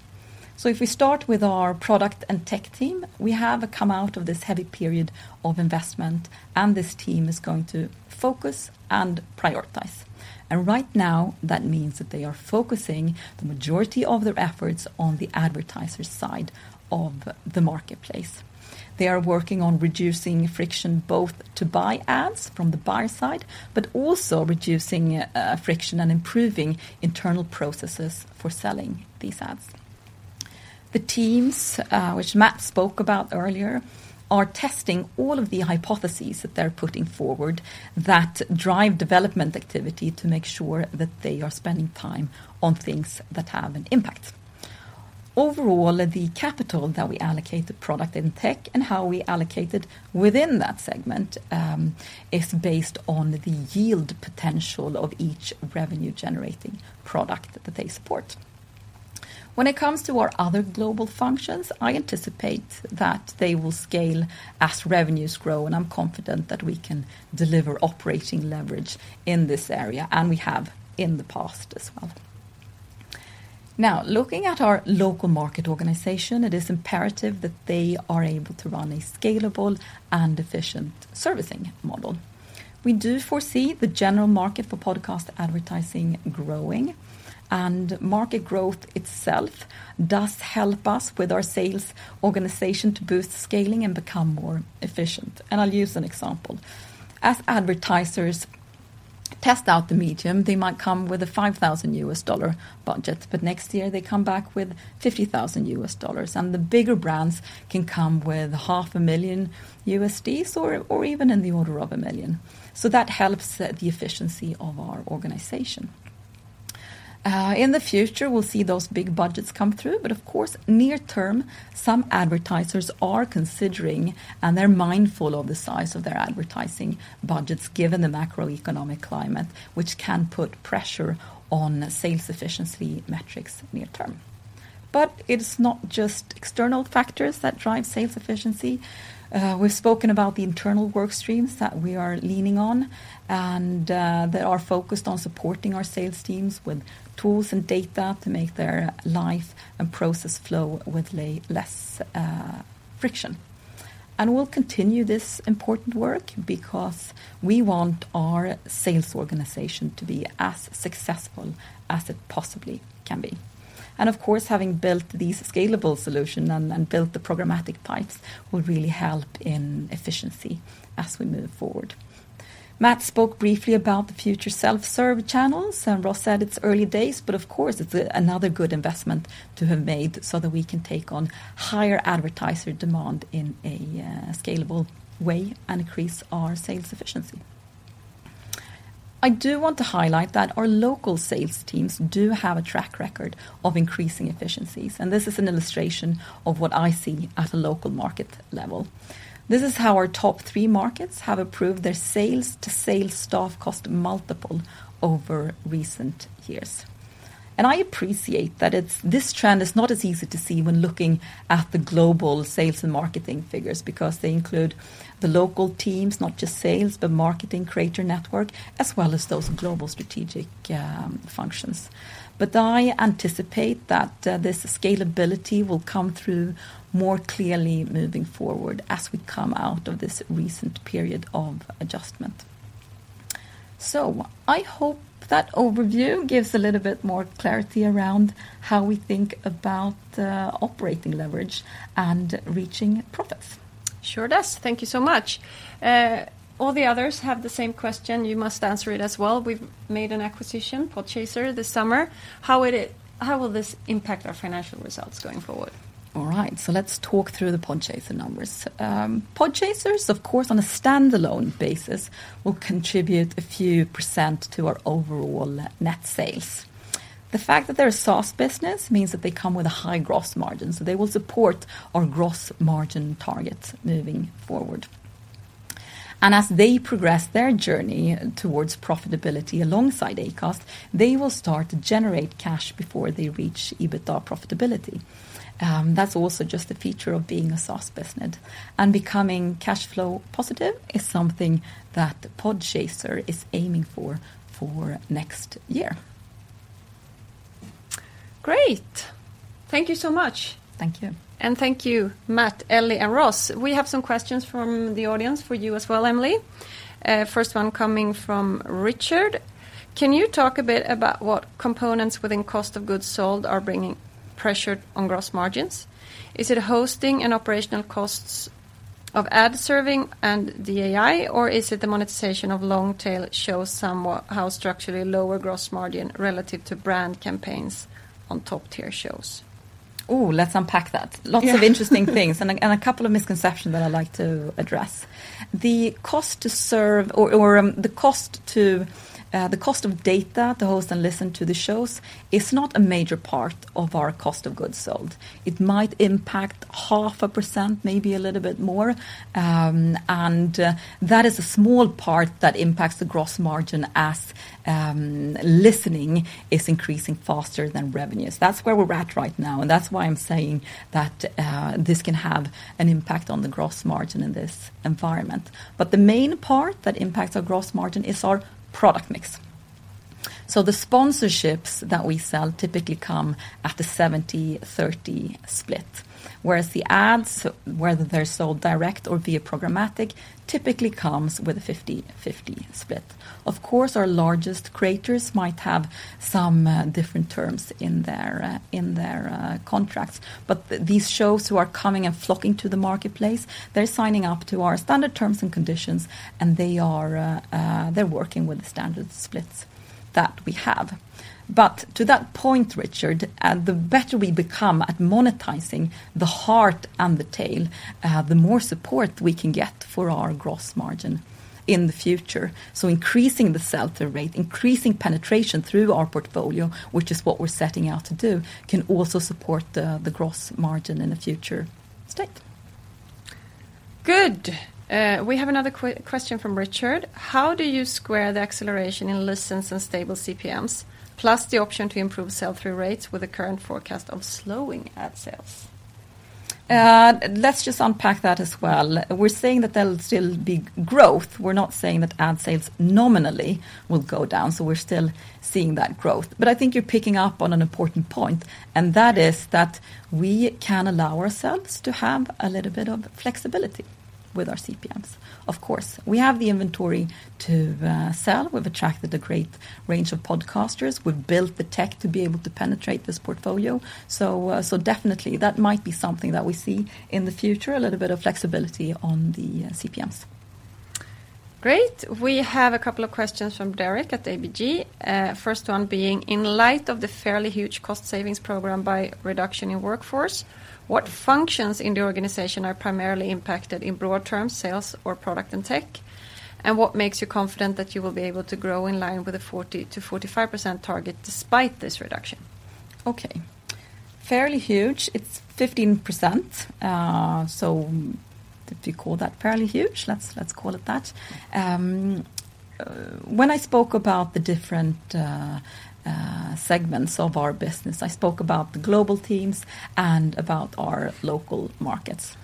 If we start with our product and tech team, we have come out of this heavy period of investment, and this team is going to focus and prioritize. Right now, that means that they are focusing the majority of their efforts on the advertiser side of the marketplace. They are working on reducing friction both to buy ads from the buyer side, but also reducing friction and improving internal processes for selling these ads. The teams, which Matt spoke about earlier, are testing all of the hypotheses that they're putting forward that drive development activity to make sure that they are spending time on things that have an impact. Overall, the capital that we allocate to product and tech and how we allocate it within that segment, is based on the yield potential of each revenue-generating product that they support. When it comes to our other global functions, I anticipate that they will scale as revenues grow, and I'm confident that we can deliver operating leverage in this area, and we have in the past as well. Now, looking at our local market organization, it is imperative that they are able to run a scalable and efficient servicing model. We do foresee the general market for podcast advertising growing, and market growth itself does help us with our sales organization to boost scaling and become more efficient. I'll use an example. As advertisers test out the medium, they might come with a $5,000 budget, but next year they come back with $50,000, and the bigger brands can come with half a million USDs or even in the order of $1 million. That helps the efficiency of our organization. In the future, we'll see those big budgets come through, but of course, near term, some advertisers are considering, and they're mindful of the size of their advertising budgets given the macroeconomic climate, which can put pressure on sales efficiency metrics near term. It's not just external factors that drive sales efficiency. We've spoken about the internal work streams that we are leaning on and that are focused on supporting our sales teams with tools and data to make their life and process flow with less friction. We'll continue this important work because we want our sales organization to be as successful as it possibly can be. Of course, having built these scalable solution and built the programmatic pipes will really help in efficiency as we move forward. Matt spoke briefly about the future self-serve channels, and Ross said it's early days, but of course it's another good investment to have made so that we can take on higher advertiser demand in a scalable way and increase our sales efficiency. I do want to highlight that our local sales teams do have a track record of increasing efficiencies, and this is an illustration of what I see at a local market level. This is how our top three markets have improved their sales to sales staff cost multiple over recent years. I appreciate that this trend is not as easy to see when looking at the global sales and marketing figures because they include the local teams, not just sales, but marketing, creator network, as well as those global strategic, functions. I anticipate that, this scalability will come through more clearly moving forward as we come out of this recent period of adjustment. I hope that overview gives a little bit more clarity around how we think about, operating leverage and reaching profits. Sure does. Thank you so much. All the others have the same question. You must answer it as well. We've made an acquisition, Podchaser, this summer. How will this impact our financial results going forward? All right, let's talk through the Podchaser numbers. Podchaser's, of course, on a standalone basis, will contribute a few% to our overall net sales. The fact that they're a SaaS business means that they come with a high gross margin, they will support our gross margin targets moving forward. As they progress their journey towards profitability alongside Acast, they will start to generate cash before they reach EBITDA profitability. That's also just a feature of being a SaaS business. Becoming cash flow positive is something that Podchaser is aiming for next year. Great. Thank you so much. Thank you. Thank you, Matt, Ellie, and Ross. We have some questions from the audience for you as well, Emily. First one coming from Richard. Can you talk a bit about what components within cost of goods sold are bringing pressure on gross margins? Is it hosting and operational costs of ad serving and the AI, or is it the monetization of long tail shows somewhat how structurally lower gross margin relative to brand campaigns on top-tier shows? Ooh, let's unpack that. Yeah. Lots of interesting things and a couple of misconceptions that I'd like to address. The cost of data to host and listen to the shows is not a major part of our cost of goods sold. It might impact 0.5%, maybe a little bit more, and that is a small part that impacts the gross margin as listening is increasing faster than revenues. That's where we're at right now, and that's why I'm saying that this can have an impact on the gross margin in this environment. The main part that impacts our gross margin is our product mix. The sponsorships that we sell typically come at the 70-30 split, whereas the ads, whether they're sold direct or via programmatic, typically comes with a 50-50 split. Of course, our largest creators might have some different terms in their contracts. These shows who are coming and flocking to the marketplace, they're signing up to our standard terms and conditions, and they're working with the standard splits that we have. To that point, Richard, the better we become at monetizing the head and the tail, the more support we can get for our gross margin in the future. Increasing the sell-through rate, increasing penetration through our portfolio, which is what we're setting out to do, can also support the gross margin in a future state. Good. We have another question from Richard: How do you square the acceleration in listens and stable CPMs, plus the option to improve sell-through rates with the current forecast of slowing ad sales? Let's just unpack that as well. We're saying that there'll still be growth. We're not saying that ad sales nominally will go down, so we're still seeing that growth. I think you're picking up on an important point, and that is that we can allow ourselves to have a little bit of flexibility with our CPMs. Of course, we have the inventory to sell. We've attracted a great range of podcasters. We've built the tech to be able to penetrate this portfolio. Definitely, that might be something that we see in the future, a little bit of flexibility on the CPMs. Great. We have a couple of questions from Derek at ABG. First one being: In light of the fairly huge cost savings program by reduction in workforce, what functions in the organization are primarily impacted in broad terms, sales or product and tech? And what makes you confident that you will be able to grow in line with the 40%-45% target despite this reduction? Okay. Fairly huge, it's 15%, so if you call that fairly huge, let's call it that. When I spoke about the different segments of our business, I spoke about the global teams and about our local markets.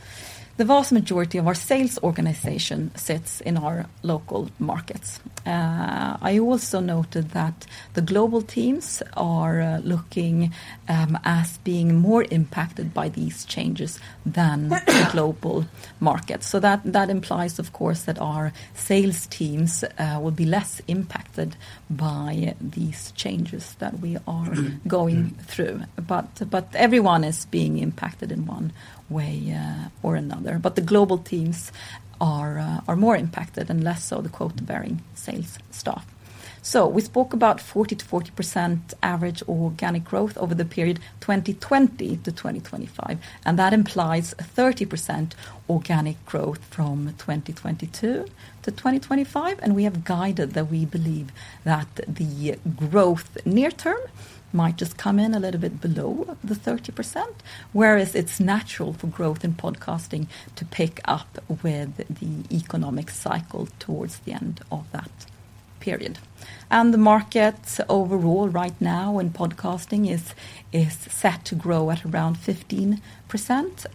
The vast majority of our sales organization sits in our local markets. I also noted that the global teams are looking as being more impacted by these changes than the global market. That implies, of course, that our sales teams will be less impacted by these changes that we are going through. Everyone is being impacted in one way or another. The global teams are more impacted and less so the quote, "varying sales staff." We spoke about 40%-40% average organic growth over the period 2020 to 2025, and that implies 30% organic growth from 2022 to 2025. We have guided that we believe that the growth near term might just come in a little bit below the 30%, whereas it's natural for growth in podcasting to pick up with the economic cycle towards the end of that period. The markets overall right now in podcasting is set to grow at around 15%,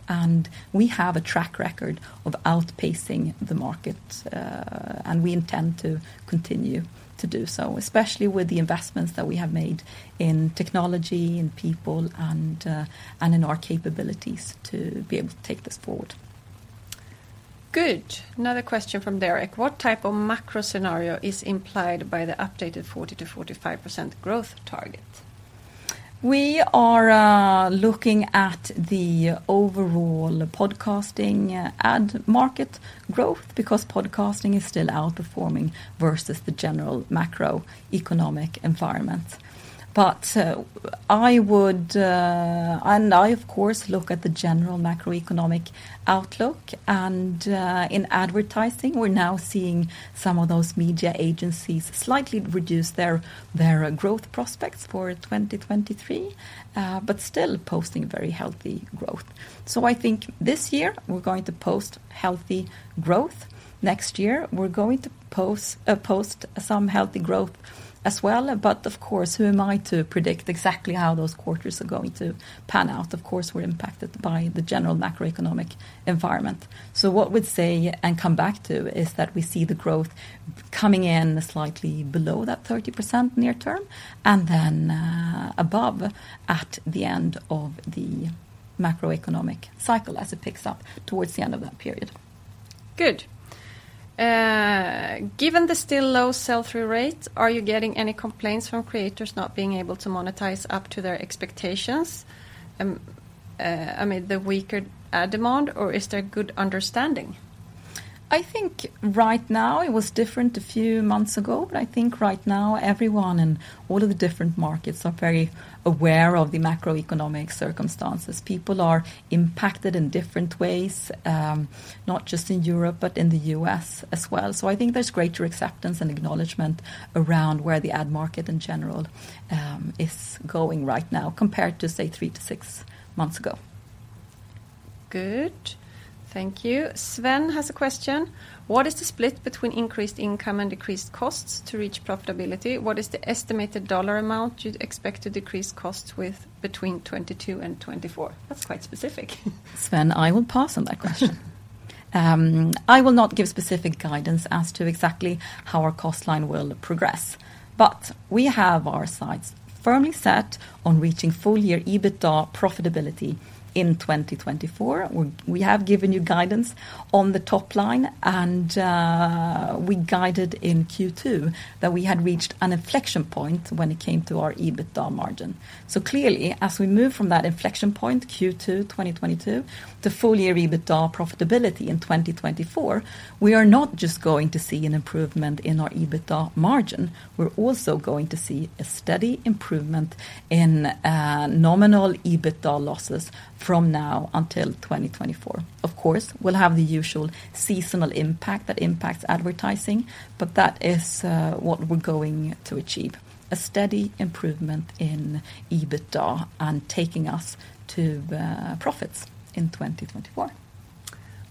and we have a track record of outpacing the market, and we intend to continue to do so, especially with the investments that we have made in technology, in people and in our capabilities to be able to take this forward. Good. Another question from Derek: What type of macro scenario is implied by the updated 40%-45% growth target? We are looking at the overall podcasting ad market growth because podcasting is still outperforming versus the general macroeconomic environment. I, of course, look at the general macroeconomic outlook, and in advertising, we're now seeing some of those media agencies slightly reduce their growth prospects for 2023, but still posting very healthy growth. I think this year we're going to post healthy growth. Next year, we're going to post some healthy growth as well. Of course, who am I to predict exactly how those quarters are going to pan out? We're impacted by the general macroeconomic environment. What we'd say and come back to is that we see the growth coming in slightly below that 30% near term and then above at the end of the macroeconomic cycle as it picks up towards the end of that period. Good. Given the still low sell-through rates, are you getting any complaints from creators not being able to monetize up to their expectations? I mean, the weaker ad demand, or is there good understanding? I think right now, it was different a few months ago, but I think right now everyone in all of the different markets are very aware of the macroeconomic circumstances. People are impacted in different ways, not just in Europe, but in the US as well. I think there's greater acceptance and acknowledgement around where the ad market in general is going right now compared to, say, three to six months ago. Good. Thank you. Sven has a question: What is the split between increased income and decreased costs to reach profitability? What is the estimated dollar amount you'd expect to decrease costs with between 2022 and 2024? That's quite specific. Sven, I will pass on that question. I will not give specific guidance as to exactly how our cost line will progress, but we have our sights firmly set on reaching full year EBITDA profitability in 2024. We have given you guidance on the top line and we guided in Q2 that we had reached an inflection point when it came to our EBITDA margin. Clearly, as we move from that inflection point, Q2 2022, to full year EBITDA profitability in 2024, we are not just going to see an improvement in our EBITDA margin, we're also going to see a steady improvement in nominal EBITDA losses from now until 2024. Of course, we'll have the usual seasonal impact that impacts advertising, but that is what we're going to achieve. A steady improvement in EBITDA and taking us to profits in 2024.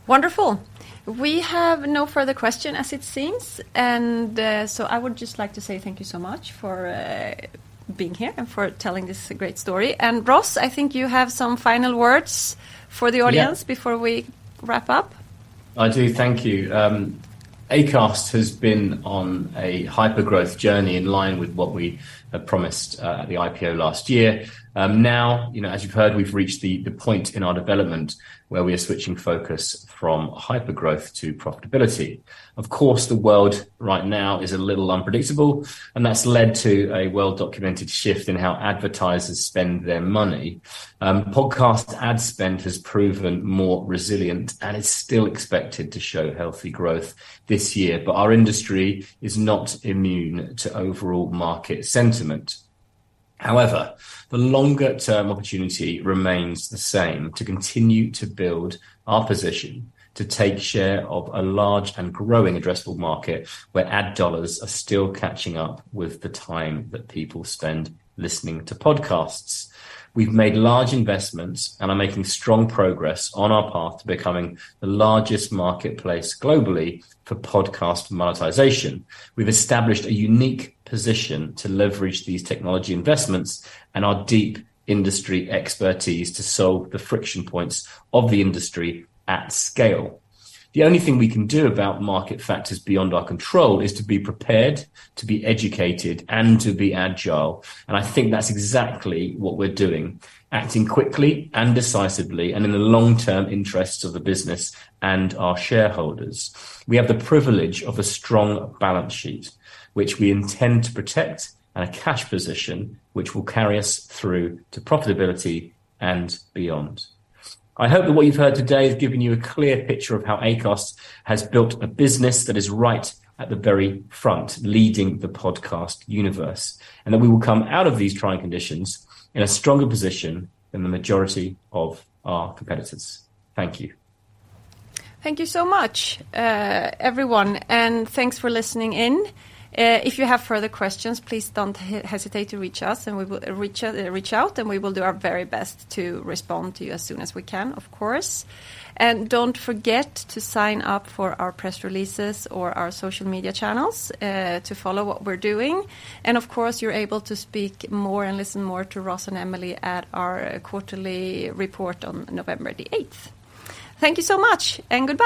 Wonderful. We have no further question as it seems and, so I would just like to say thank you so much for being here and for telling this great story. Ross, I think you have some final words for the audience. Yeah. Before we wrap up. I do. Thank you. Acast has been on a hyper-growth journey in line with what we had promised at the IPO last year. now as you've heard, we've reached the point in our development where we are switching focus from hyper-growth to profitability. Of course, the world right now is a little unpredictable, and that's led to a well-documented shift in how advertisers spend their money. Podcast ad spend has proven more resilient and is still expected to show healthy growth this year, but our industry is not immune to overall market sentiment. However, the longer term opportunity remains the same, to continue to build our position to take share of a large and growing addressable market where ad dollars are still catching up with the time that people spend listening to podcasts. We've made large investments and are making strong progress on our path to becoming the largest marketplace globally for podcast monetization. We've established a unique position to leverage these technology investments and our deep industry expertise to solve the friction points of the industry at scale. The only thing we can do about market factors beyond our control is to be prepared, to be educated, and to be agile, and I think that's exactly what we're doing, acting quickly and decisively and in the long-term interests of the business and our shareholders. We have the privilege of a strong balance sheet, which we intend to protect, and a cash position which will carry us through to profitability and beyond. I hope that what you've heard today has given you a clear picture of how Acast has built a business that is right at the very front leading the podcast universe, and that we will come out of these trying conditions in a stronger position than the majority of our competitors. Thank you. Thank you so much, everyone, and thanks for listening in. If you have further questions, please don't hesitate to reach us, and we will reach out, and we will do our very best to respond to you as soon as we can, of course. Don't forget to sign up for our press releases or our social media channels, to follow what we're doing. Of course, you're able to speak more and listen more to Ross and Emily at our quarterly report on November the eighth. Thank you so much, and goodbye.